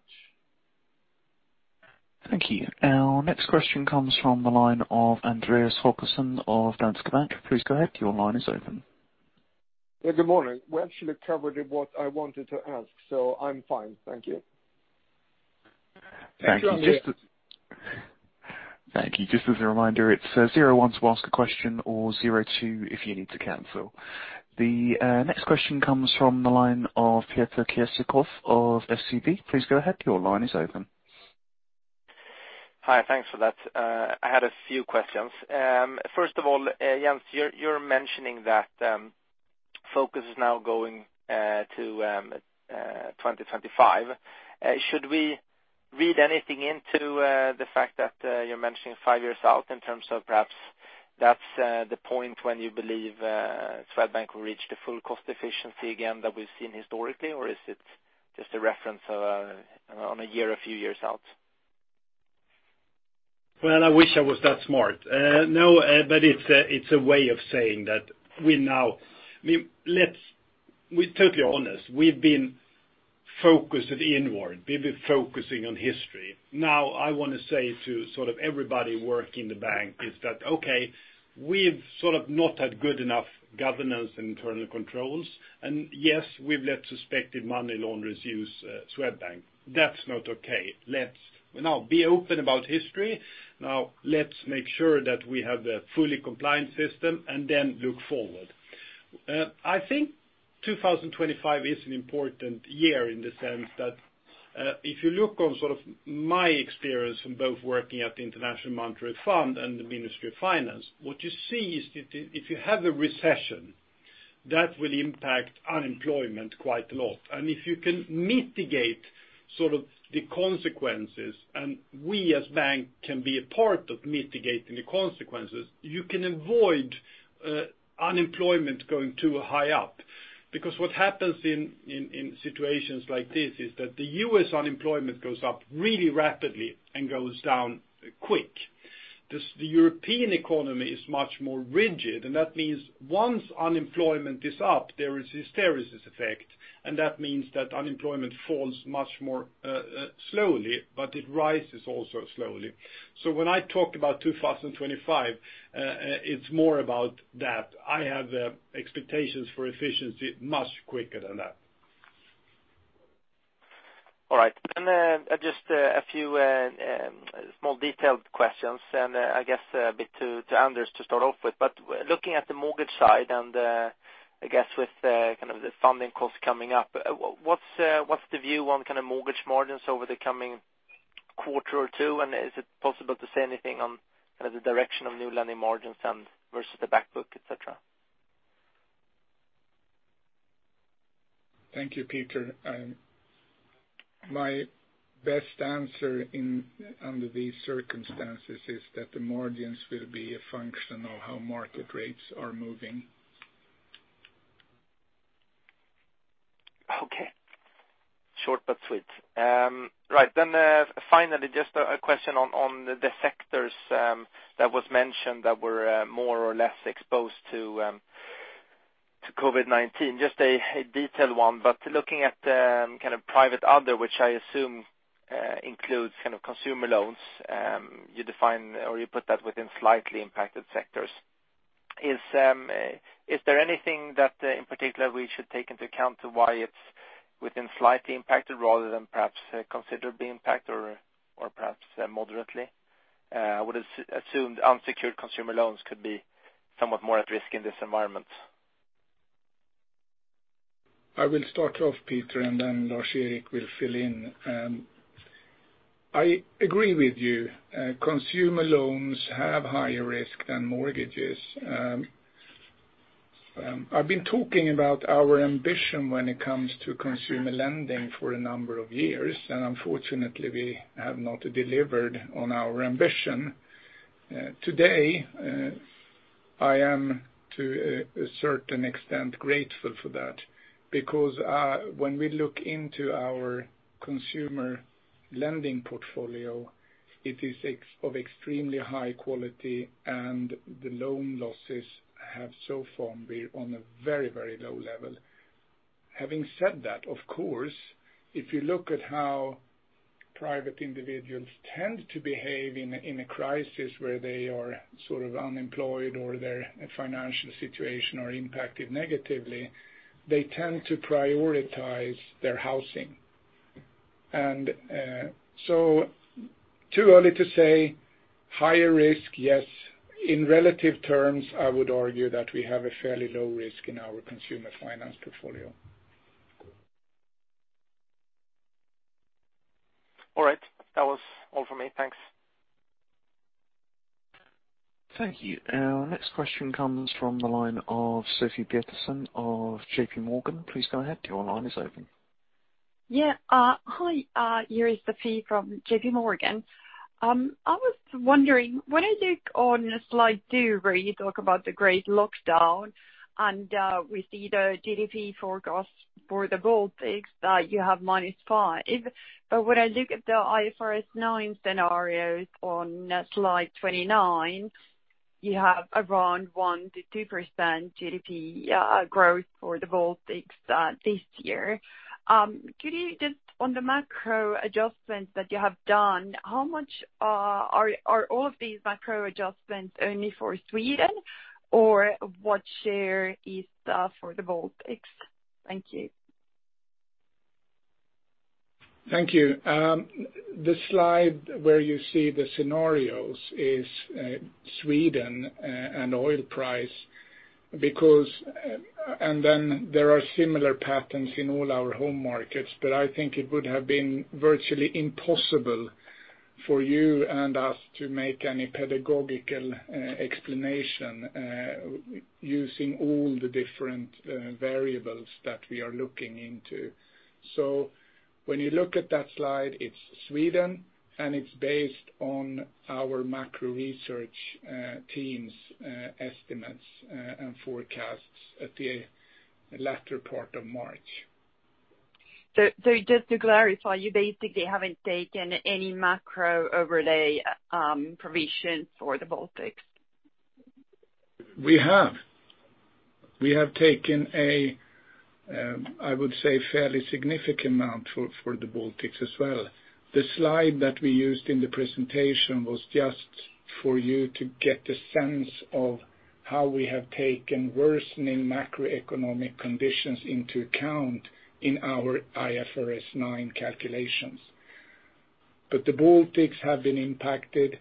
Thank you. Our next question comes from the line of Andreas Håkansson of Danske Bank. Please go ahead. Your line is open. Yeah, good morning. We actually covered what I wanted to ask, so I'm fine. Thank you. The next question comes from the line of Peter Kessiakoff of SEB. Please go ahead. Your line is open. Hi, thanks for that. I had a few questions. First of all, Jens, you're mentioning that focus is now going to 2025. Should we read anything into the fact that you're mentioning five years out in terms of perhaps that's the point when you believe Swedbank will reach the full cost efficiency again that we've seen historically? Is it just a reference on a year, a few years out? Well, I wish I was that smart. It's a way of saying that we're totally honest. We've been focused inward. We've been focusing on history. I want to say to everybody working in the bank is that, okay, we've not had good enough governance, internal controls. We've let suspected money launderers use Swedbank. That's not okay. Let's now be open about history. Let's make sure that we have a fully compliant system and then look forward. I think 2025 is an important year in the sense that if you look on my experience from both working at the International Monetary Fund and the Ministry of Finance, what you see is if you have a recession, that will impact unemployment quite a lot. If you can mitigate the consequences, and we as bank can be a part of mitigating the consequences, you can avoid unemployment going too high up. What happens in situations like this is that the U.S. unemployment goes up really rapidly and goes down quick. The European economy is much more rigid, and that means once unemployment is up, there is hysteresis effect, and that means that unemployment falls much more slowly, but it rises also slowly. When I talk about 2025, it's more about that. I have expectations for efficiency much quicker than that. All right. Just a few small detailed questions and I guess a bit to Anders to start off with. Looking at the mortgage side and I guess with the funding cost coming up, what's the view on mortgage margins over the coming quarter or two? Is it possible to say anything on the direction of new lending margins versus the back book, et cetera? Thank you, Peter. My best answer under these circumstances is that the margins will be a function of how market rates are moving. Okay. Short but sweet. Right. Finally, just a question on the sectors that was mentioned that were more or less exposed to COVID-19. Just a detailed one, looking at private other, which I assume includes consumer loans, you put that within slightly impacted sectors. Is there anything that in particular we should take into account to why it's within slightly impacted rather than perhaps considerably impacted or perhaps moderately? I would assume unsecured consumer loans could be somewhat more at risk in this environment. I will start off, Peter, and then Lars-Erik will fill in. I agree with you. Consumer loans have higher risk than mortgages. I've been talking about our ambition when it comes to consumer lending for a number of years, and unfortunately, we have not delivered on our ambition. Today, I am to a certain extent grateful for that, because when we look into our consumer lending portfolio, it is of extremely high quality and the loan losses have so far been on a very low level. Having said that, of course, if you look at how private individuals tend to behave in a crisis where they are unemployed or their financial situation are impacted negatively, they tend to prioritize their housing. Too early to say higher risk, yes. In relative terms, I would argue that we have a fairly low risk in our consumer finance portfolio. All right. That was all for me. Thanks. Thank you. Our next question comes from the line of Sofie Peterzens of J.P.Morgan. Please go ahead. Your line is open. Hi, here is Sofie from JPMorgan. I was wondering, when I look on slide two where you talk about the Great Lockdown and we see the GDP forecast for the Baltics that you have -5%. When I look at the IFRS 9 scenarios on slide 29, you have around 1%-2% GDP growth for the Baltics this year. Could you just, on the macro adjustments that you have done, are all of these macro adjustments only for Sweden or what share is for the Baltics? Thank you. Thank you. The slide where you see the scenarios is Sweden and oil price, and then there are similar patterns in all our home markets. I think it would have been virtually impossible for you and us to make any pedagogical explanation using all the different variables that we are looking into. When you look at that slide, it's Sweden and it's based on our macro research team's estimates and forecasts at the latter part of March. Just to clarify, you basically haven't taken any macro overlay provisions for the Baltics? We have taken, I would say, a fairly significant amount for the Baltics as well. The slide that we used in the presentation was just for you to get the sense of how we have taken worsening macroeconomic conditions into account in our IFRS 9 calculations. The Baltics have been impacted.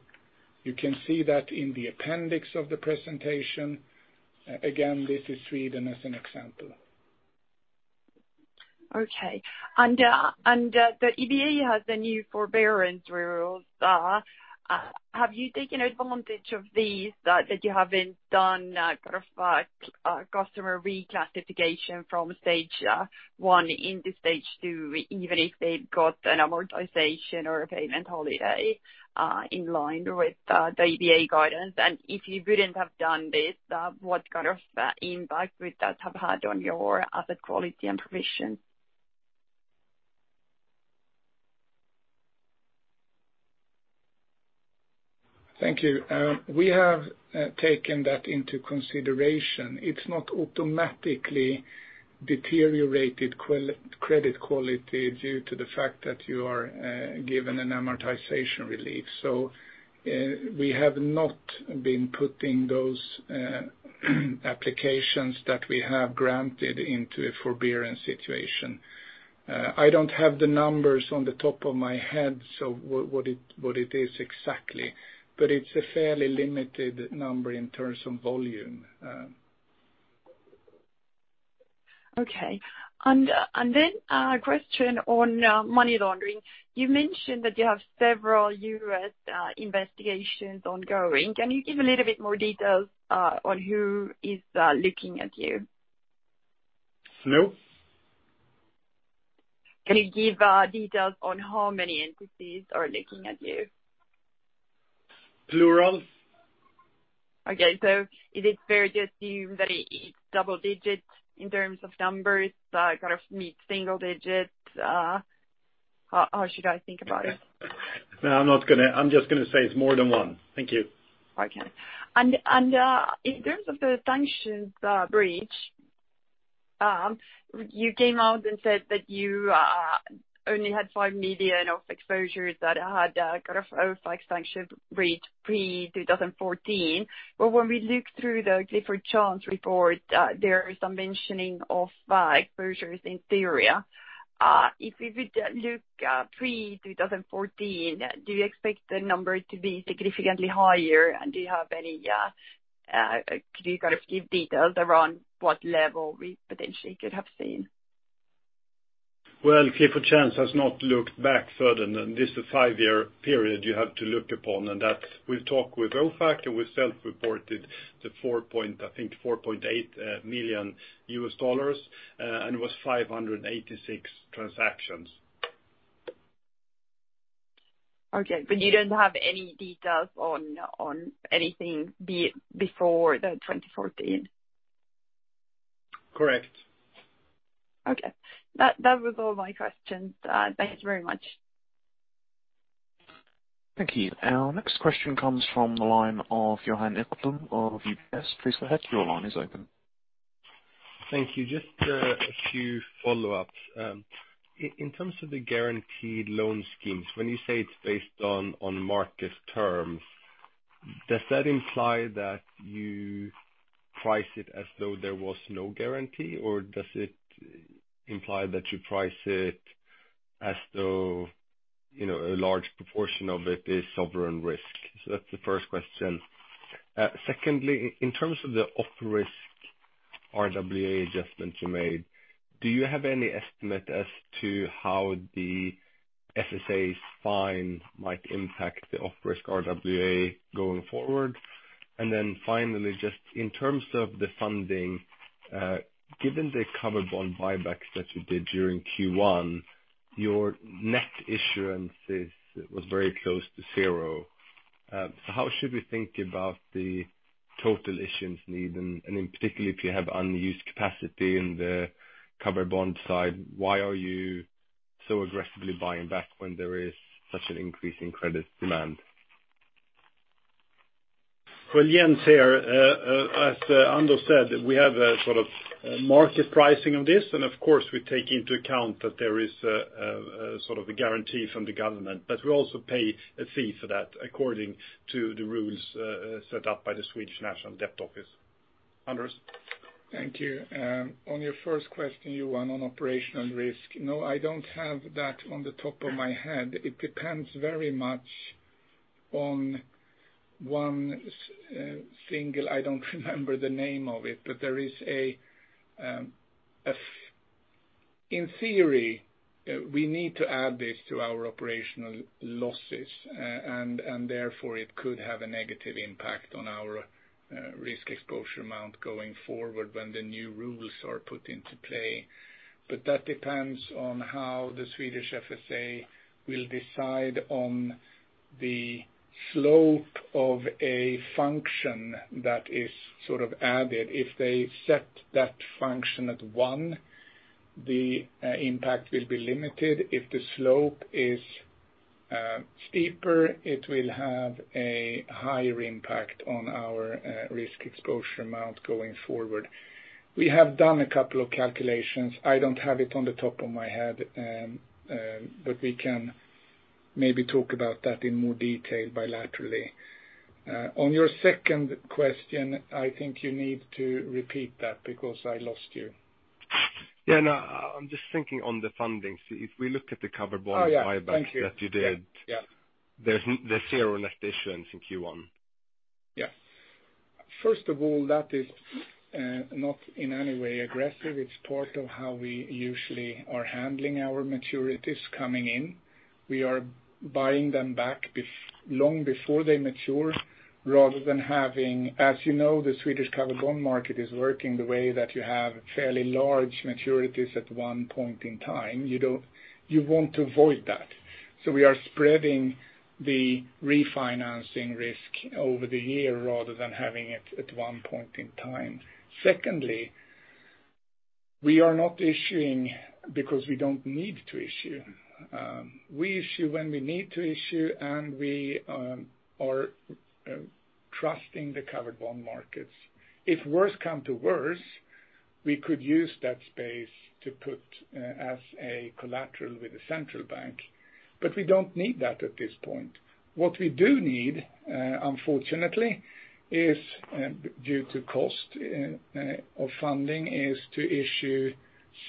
You can see that in the appendix of the presentation. Again, this is Sweden as an example. The EBA has the new forbearance rules. Have you taken advantage of these, that you haven't done customer reclassification from stage one into stage two, even if they've got an amortization or a payment holiday in line with the EBA guidance? If you wouldn't have done this, what kind of impact would that have had on your asset quality and provision? Thank you. We have taken that into consideration. It's not automatically deteriorated credit quality due to the fact that you are given an amortization relief. We have not been putting those applications that we have granted into a forbearance situation. I don't have the numbers on the top of my head, so what it is exactly, but it's a fairly limited number in terms of volume. Okay. A question on money laundering. You mentioned that you have several U.S. investigations ongoing. Can you give a little bit more details on who is looking at you? No. Can you give details on how many entities are looking at you? Plural. Okay. Is it fair to assume that it's double digits in terms of numbers, kind of mid-single digits? How should I think about it? No, I'm just going to say it's more than one. Thank you. Okay. In terms of the sanctions breach, you came out and said that you only had 5 million of exposures that had an OFAC sanction breach pre-2014. When we looked through the Clifford Chance report, there is some mentioning of five closures in theory. If we were to look pre-2014, do you expect the number to be significantly higher? Could you give details around what level we potentially could have seen? Well, Clifford Chance has not looked back further than this five-year period you have to look upon. That we've talked with OFAC, and we self-reported the, I think, $4.8 million, and it was 586 transactions. Okay. You don't have any details on anything before the 2014? Correct. Okay. That was all my questions. Thanks very much. Thank you. Our next question comes from the line of Johan Ekblom of UBS. Please go ahead, your line is open. Thank you. Just a few follow-ups. In terms of the guaranteed loan schemes, when you say it's based on market terms, does that imply that you price it as though there was no guarantee, or does it imply that you price it as though a large proportion of it is sovereign risk? That's the first question. Secondly, in terms of the op-risk RWA adjustments you made, do you have any estimate as to how the FSA's fine might impact the op-risk RWA going forward? Finally, just in terms of the funding, given the covered bond buybacks that you did during Q1, your net issuance was very close to zero. How should we think about the total issuance need? In particular, if you have unused capacity in the covered bond side, why are you so aggressively buying back when there is such an increase in credit demand? Well, Jens here. As Anders said, we have a sort of market pricing of this, and of course, we take into account that there is sort of a guarantee from the government, but we also pay a fee for that according to the rules set up by the Swedish National Debt Office. Anders. Thank you. On your first question, Johan, on operational risk. No, I don't have that on the top of my head. It depends very much on one single I don't remember the name of it. In theory, we need to add this to our operational losses, and therefore it could have a negative impact on our risk exposure amount going forward when the new rules are put into play. That depends on how the Swedish FSA will decide on the slope of a function that is added. If they set that function at one, the impact will be limited. If the slope is steeper, it will have a higher impact on our risk exposure amount going forward. We have done a couple of calculations. I don't have it on the top of my head. We can maybe talk about that in more detail bilaterally. On your second question, I think you need to repeat that because I lost you. Yeah, no, I'm just thinking on the funding. If we look at the covered bond buyback. Oh, yeah. Thank you. that you did. Yeah. There's zero net issuance in Q1. First of all, that is not in any way aggressive. It's part of how we usually are handling our maturities coming in. We are buying them back long before they mature rather than having, as you know, the Swedish covered bond market is working the way that you have fairly large maturities at one point in time. You want to avoid that. We are spreading the refinancing risk over the year rather than having it at one point in time. Secondly, we are not issuing because we don't need to issue. We issue when we need to issue, and we are trusting the covered bond markets. If worse come to worse, we could use that space to put as a collateral with the central bank. We don't need that at this point. What we do need, unfortunately, is due to cost of funding, is to issue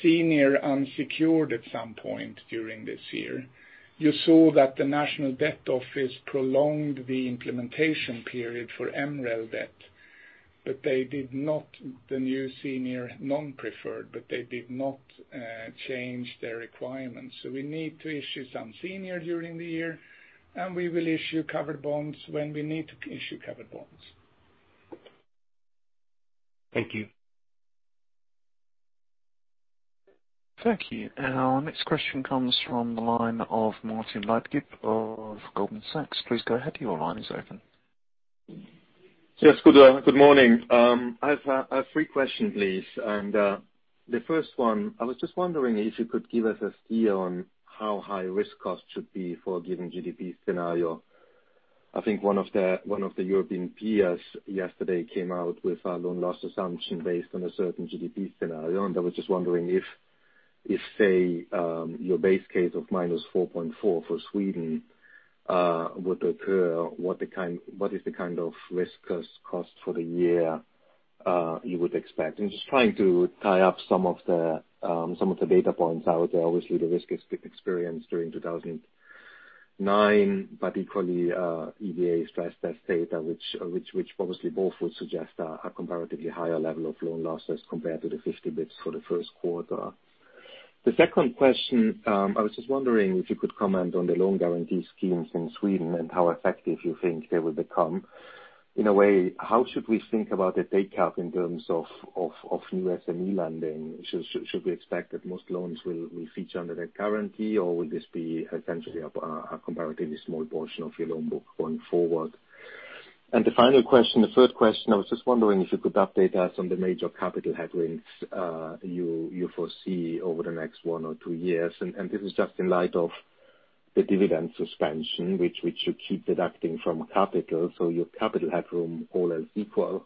senior unsecured at some point during this year. You saw that the Swedish National Debt Office prolonged the implementation period for MREL debt, the new senior non-preferred, but they did not change their requirements. We need to issue some senior during the year, and we will issue covered bonds when we need to issue covered bonds. Thank you. Thank you. Our next question comes from the line of Martin Leitgeb of Goldman Sachs. Please go ahead. Your line is open. Yes. Good morning. I have three questions, please. The first one, I was just wondering if you could give us a view on how high risk costs should be for a given GDP scenario. I think one of the European peers yesterday came out with a loan loss assumption based on a certain GDP scenario, I was just wondering if say, your base case of -4.4% for Sweden would occur, what is the kind of risk cost for the year you would expect? Just trying to tie up some of the data points out there. Obviously, the risk experience during 2009, but equally EBA stress test data, which obviously both would suggest a comparatively higher level of loan losses compared to the 50 basis points for the first quarter. The second question, I was just wondering if you could comment on the loan guarantee schemes in Sweden and how effective you think they will become. In a way, how should we think about the take-up in terms of new SME lending? Should we expect that most loans will feature under that guarantee? Will this be essentially a comparatively small portion of your loan book going forward? The final question, the third question, I was just wondering if you could update us on the major capital headwinds you foresee over the next one or two years. This is just in light of the dividend suspension, which you keep deducting from capital. Your capital headroom, all else equal,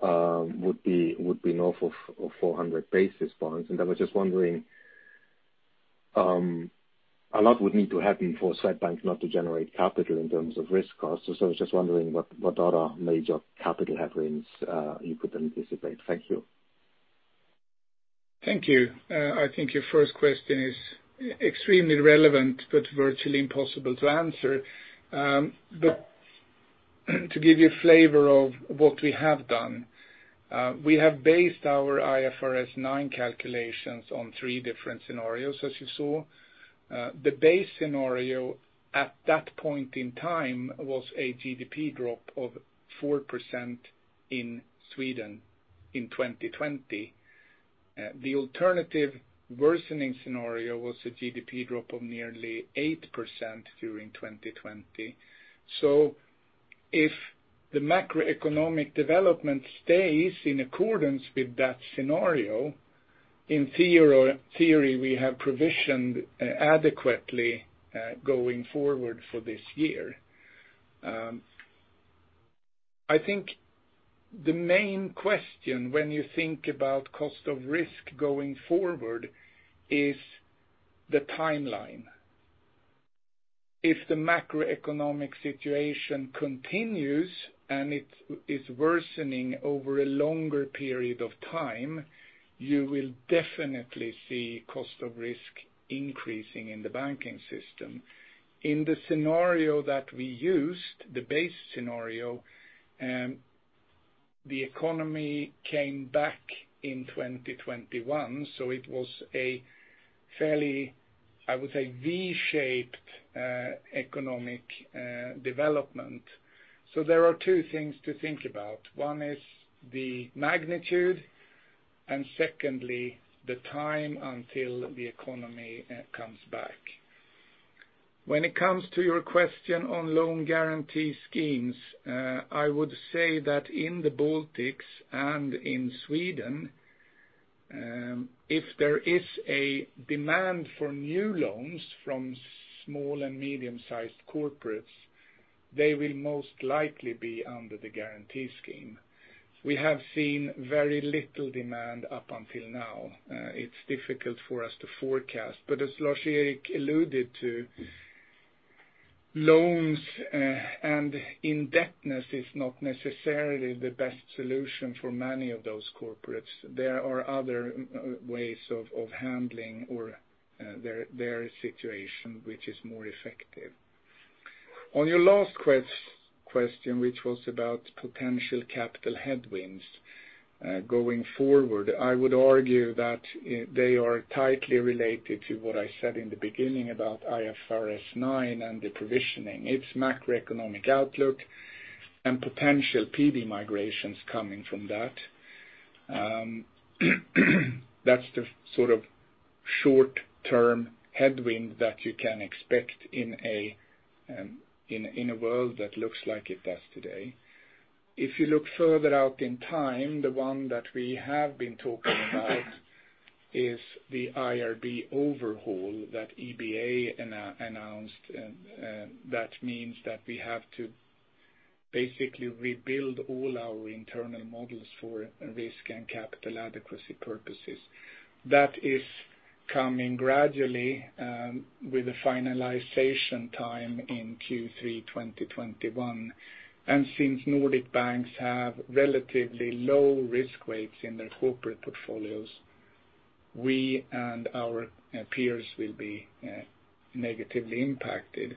would be north of 400 basis points. I was just wondering, a lot would need to happen for Swedbank not to generate capital in terms of risk costs. I was just wondering what other major capital headwinds you could anticipate. Thank you. Thank you. I think your first question is extremely relevant but virtually impossible to answer. To give you a flavor of what we have done, we have based our IFRS 9 calculations on three different scenarios, as you saw. The base scenario at that point in time was a GDP drop of 4% in Sweden in 2020. The alternative worsening scenario was a GDP drop of nearly 8% during 2020. If the macroeconomic development stays in accordance with that scenario, in theory, we have provisioned adequately, going forward for this year. I think the main question when you think about cost of risk going forward is the timeline. If the macroeconomic situation continues and it is worsening over a longer period of time, you will definitely see cost of risk increasing in the banking system. In the scenario that we used, the base scenario, the economy came back in 2021, so it was a fairly, I would say, V-shaped economic development. There are two things to think about. One is the magnitude, and secondly, the time until the economy comes back. When it comes to your question on loan guarantee schemes, I would say that in the Baltics and in Sweden, if there is a demand for new loans from small and medium-sized corporates, they will most likely be under the guarantee scheme. We have seen very little demand up until now. It's difficult for us to forecast, but as Lars-Erik alluded to, loans and indebtedness is not necessarily the best solution for many of those corporates. There are other ways of handling their situation, which is more effective. On your last question, which was about potential capital headwinds going forward, I would argue that they are tightly related to what I said in the beginning about IFRS 9 and the provisioning. It's macroeconomic outlook and potential PD migrations coming from that. That's the sort of short-term headwind that you can expect in a world that looks like it does today. If you look further out in time, the one that we have been talking about is the IRB overhaul that EBA announced. That means that we have to basically rebuild all our internal models for risk and capital adequacy purposes. That is coming gradually with the finalization time in Q3 2021. Since Nordic banks have relatively low risk weights in their corporate portfolios, we and our peers will be negatively impacted.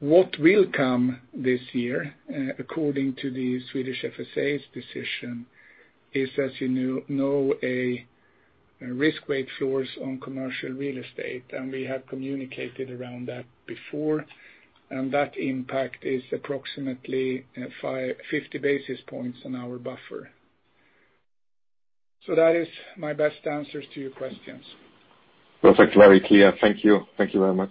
What will come this year, according to the Swedish FSA's decision, is, as you know, risk weight floors on commercial real estate, and we have communicated around that before, and that impact is approximately 50 basis points on our buffer. That is my best answers to your questions. Perfect. Very clear. Thank you. Thank you very much.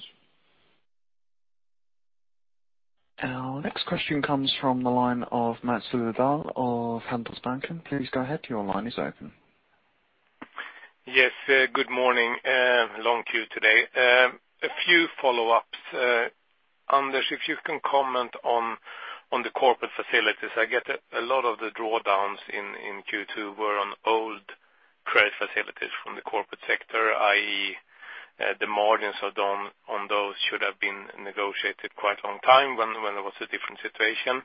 Our next question comes from the line of Per Sundin of Handelsbanken. Please go ahead. Your line is open. Yes. Good morning. Long queue today. A few follow-ups. Anders, if you can comment on the corporate facilities. I get a lot of the drawdowns in Q2 were on old credit facilities from the corporate sector, i.e., the margins on those should have been negotiated quite a long time when it was a different situation.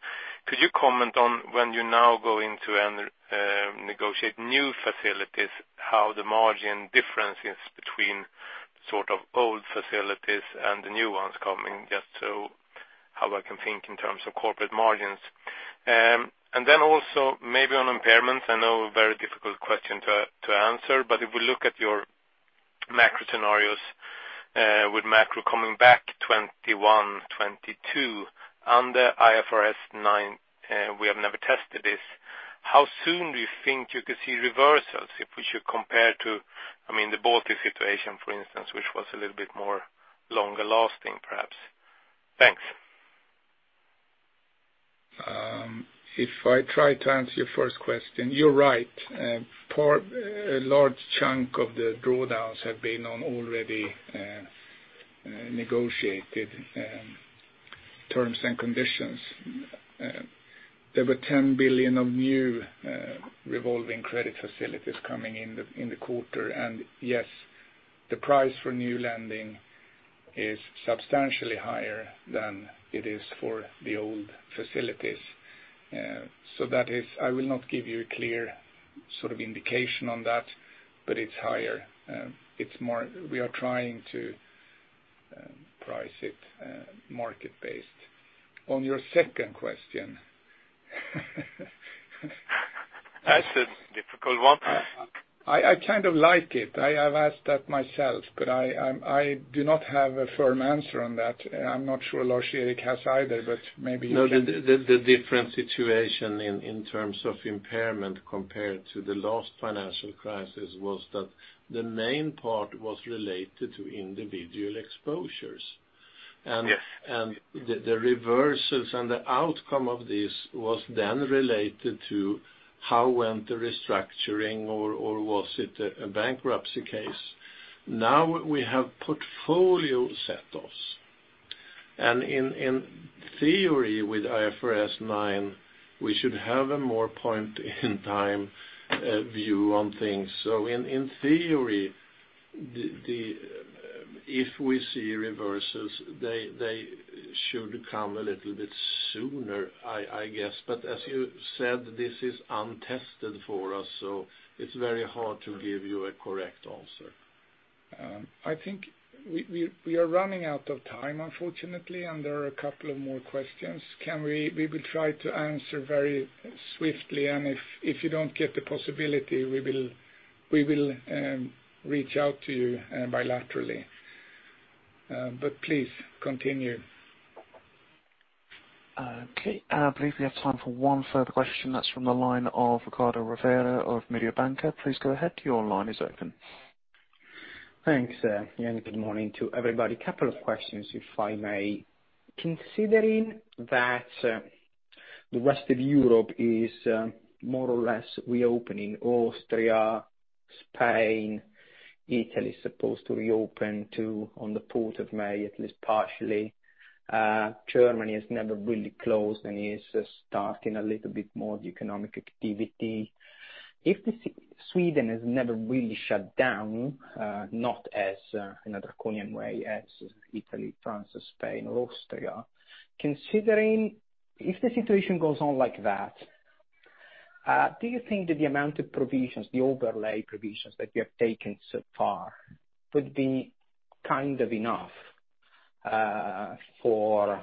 Could you comment on when you now go in to negotiate new facilities, how the margin difference is between old facilities and the new ones coming, just so how I can think in terms of corporate margins. Also maybe on impairments, I know a very difficult question to answer, but if we look at your macro scenarios, with macro coming back 2021, 2022, under IFRS 9, we have never tested this. How soon do you think you could see reversals if we should compare to the Baltic situation, for instance, which was a little bit more longer lasting, perhaps? Thanks. If I try to answer your first question, you are right. A large chunk of the drawdowns have been on already negotiated terms and conditions. There were 10 billion of new revolving credit facilities coming in the quarter. Yes, the price for new lending is substantially higher than it is for the old facilities. I will not give you a clear indication on that, but it is higher. We are trying to price it market-based. On your second question That's a difficult one. I kind of like it. I have asked that myself, but I do not have a firm answer on that. I'm not sure Lars-Erik has either, but maybe you can. No, the different situation in terms of impairment compared to the last financial crisis was that the main part was related to individual exposures. Yes. The reversals and the outcome of this was related to how went the restructuring or was it a bankruptcy case. We have portfolio setoffs. In theory, with IFRS 9, we should have a more point in time view on things. In theory, if we see reversals, they should come a little bit sooner, I guess. As you said, this is untested for us, so it's very hard to give you a correct answer. I think we are running out of time, unfortunately, and there are a couple of more questions. We will try to answer very swiftly, and if you don't get the possibility, we will reach out to you bilaterally. Please continue. Okay. I believe we have time for one further question. That's from the line of Riccardo Rovere of Mediobanca. Please go ahead. Your line is open. Thanks, Jens. Good morning to everybody. Couple of questions, if I may. Considering that the rest of Europe is more or less reopening, Austria, Spain, Italy is supposed to reopen too on the 4th of May, at least partially. Germany has never really closed and is starting a little bit more economic activity. If Sweden has never really shut down, not as in a draconian way as Italy, France, Spain or Austria. Considering if the situation goes on like that, do you think that the amount of provisions, the overlay provisions that you have taken so far, could be kind of enough for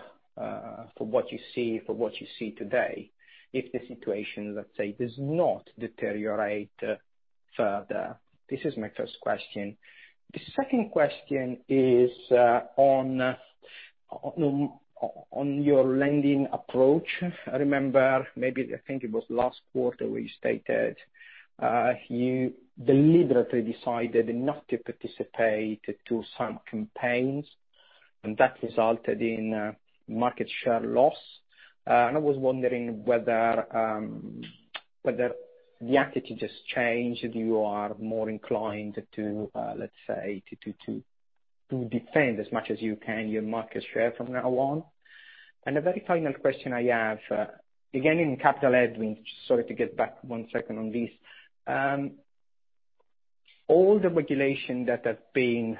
what you see today if the situation, let's say, does not deteriorate further? This is my first question. The second question is on your lending approach. I remember, maybe I think it was last quarter where you stated you deliberately decided not to participate to some campaigns, and that resulted in market share loss. I was wondering whether the attitude has changed. You are more inclined to, let's say, to defend as much as you can your market share from now on. A very final question I have, again, in capital add-on, sorry to get back one second on this. All the regulation that has been,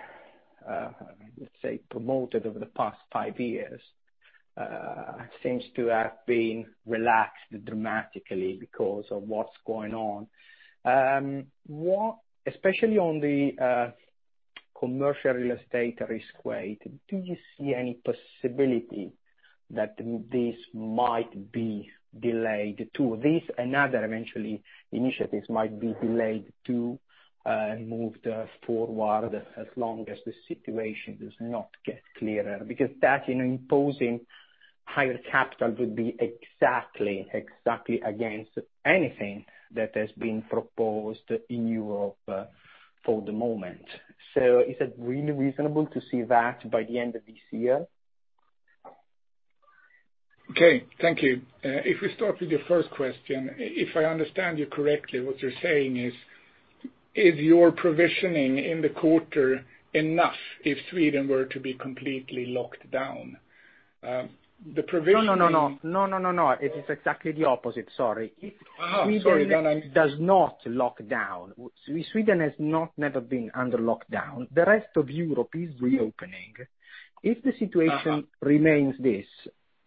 let's say, promoted over the past five years, seems to have been relaxed dramatically because of what's going on. Especially on the commercial real estate risk weight, do you see any possibility that this might be delayed to this and other eventually initiatives might be delayed too, and moved forward as long as the situation does not get clearer? That, imposing higher capital would be exactly against anything that has been proposed in Europe for the moment. Is it really reasonable to see that by the end of this year? Okay. Thank you. If we start with your first question, if I understand you correctly, what you're saying is your provisioning in the quarter enough if Sweden were to be completely locked down? No. It is exactly the opposite, sorry. Uh-huh. If Sweden does not lock down. Sweden has not never been under lockdown. The rest of Europe is reopening. If the situation remains this,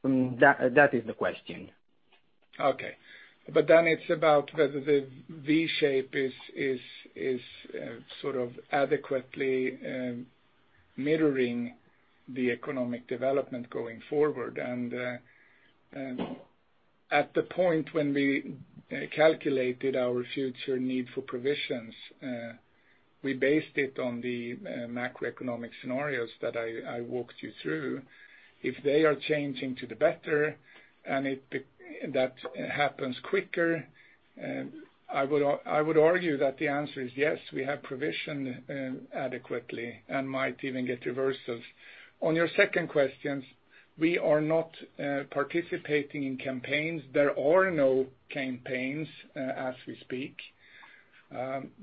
that is the question? Okay. It's about whether the V shape is adequately mirroring the economic development going forward. At the point when we calculated our future need for provisions, we based it on the macroeconomic scenarios that I walked you through. If they are changing to the better, and that happens quicker, I would argue that the answer is yes, we have provisioned adequately and might even get reversals. On your second questions, we are not participating in campaigns. There are no campaigns as we speak.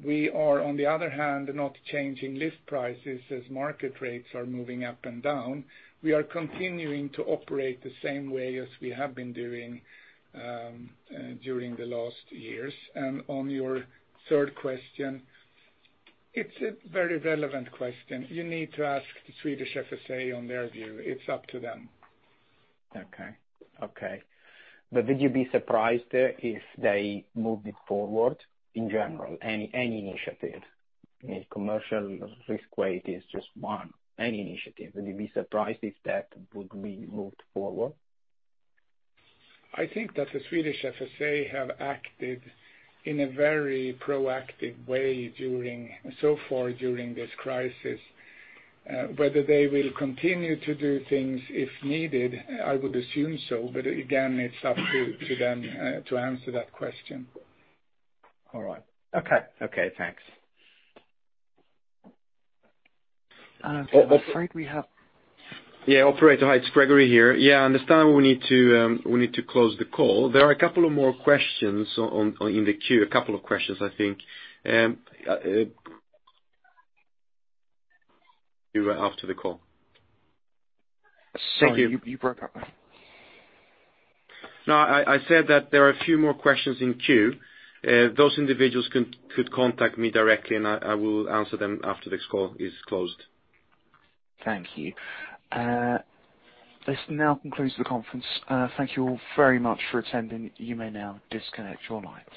We are, on the other hand, not changing list prices as market rates are moving up and down. We are continuing to operate the same way as we have been doing during the last years. On your third question, it's a very relevant question. You need to ask the Swedish FSA on their view. It's up to them. Okay. Would you be surprised if they moved it forward, in general? Any initiative. Commercial risk weight is just one. Any initiative. Would you be surprised if that would be moved forward? I think that the Swedish FSA have acted in a very proactive way so far during this crisis. Whether they will continue to do things if needed, I would assume so. Again, it's up to them to answer that question. All right. Okay, thanks. I'm afraid we have- Yeah, operator. Hi, it's Gregori here. Yeah, I understand we need to close the call. There are a couple of more questions in the queue. A couple of questions, I think. After the call. Sorry, you broke up. No, I said that there are a few more questions in queue. Those individuals could contact me directly, and I will answer them after this call is closed. Thank you. This now concludes the conference. Thank you all very much for attending. You may now disconnect your lines.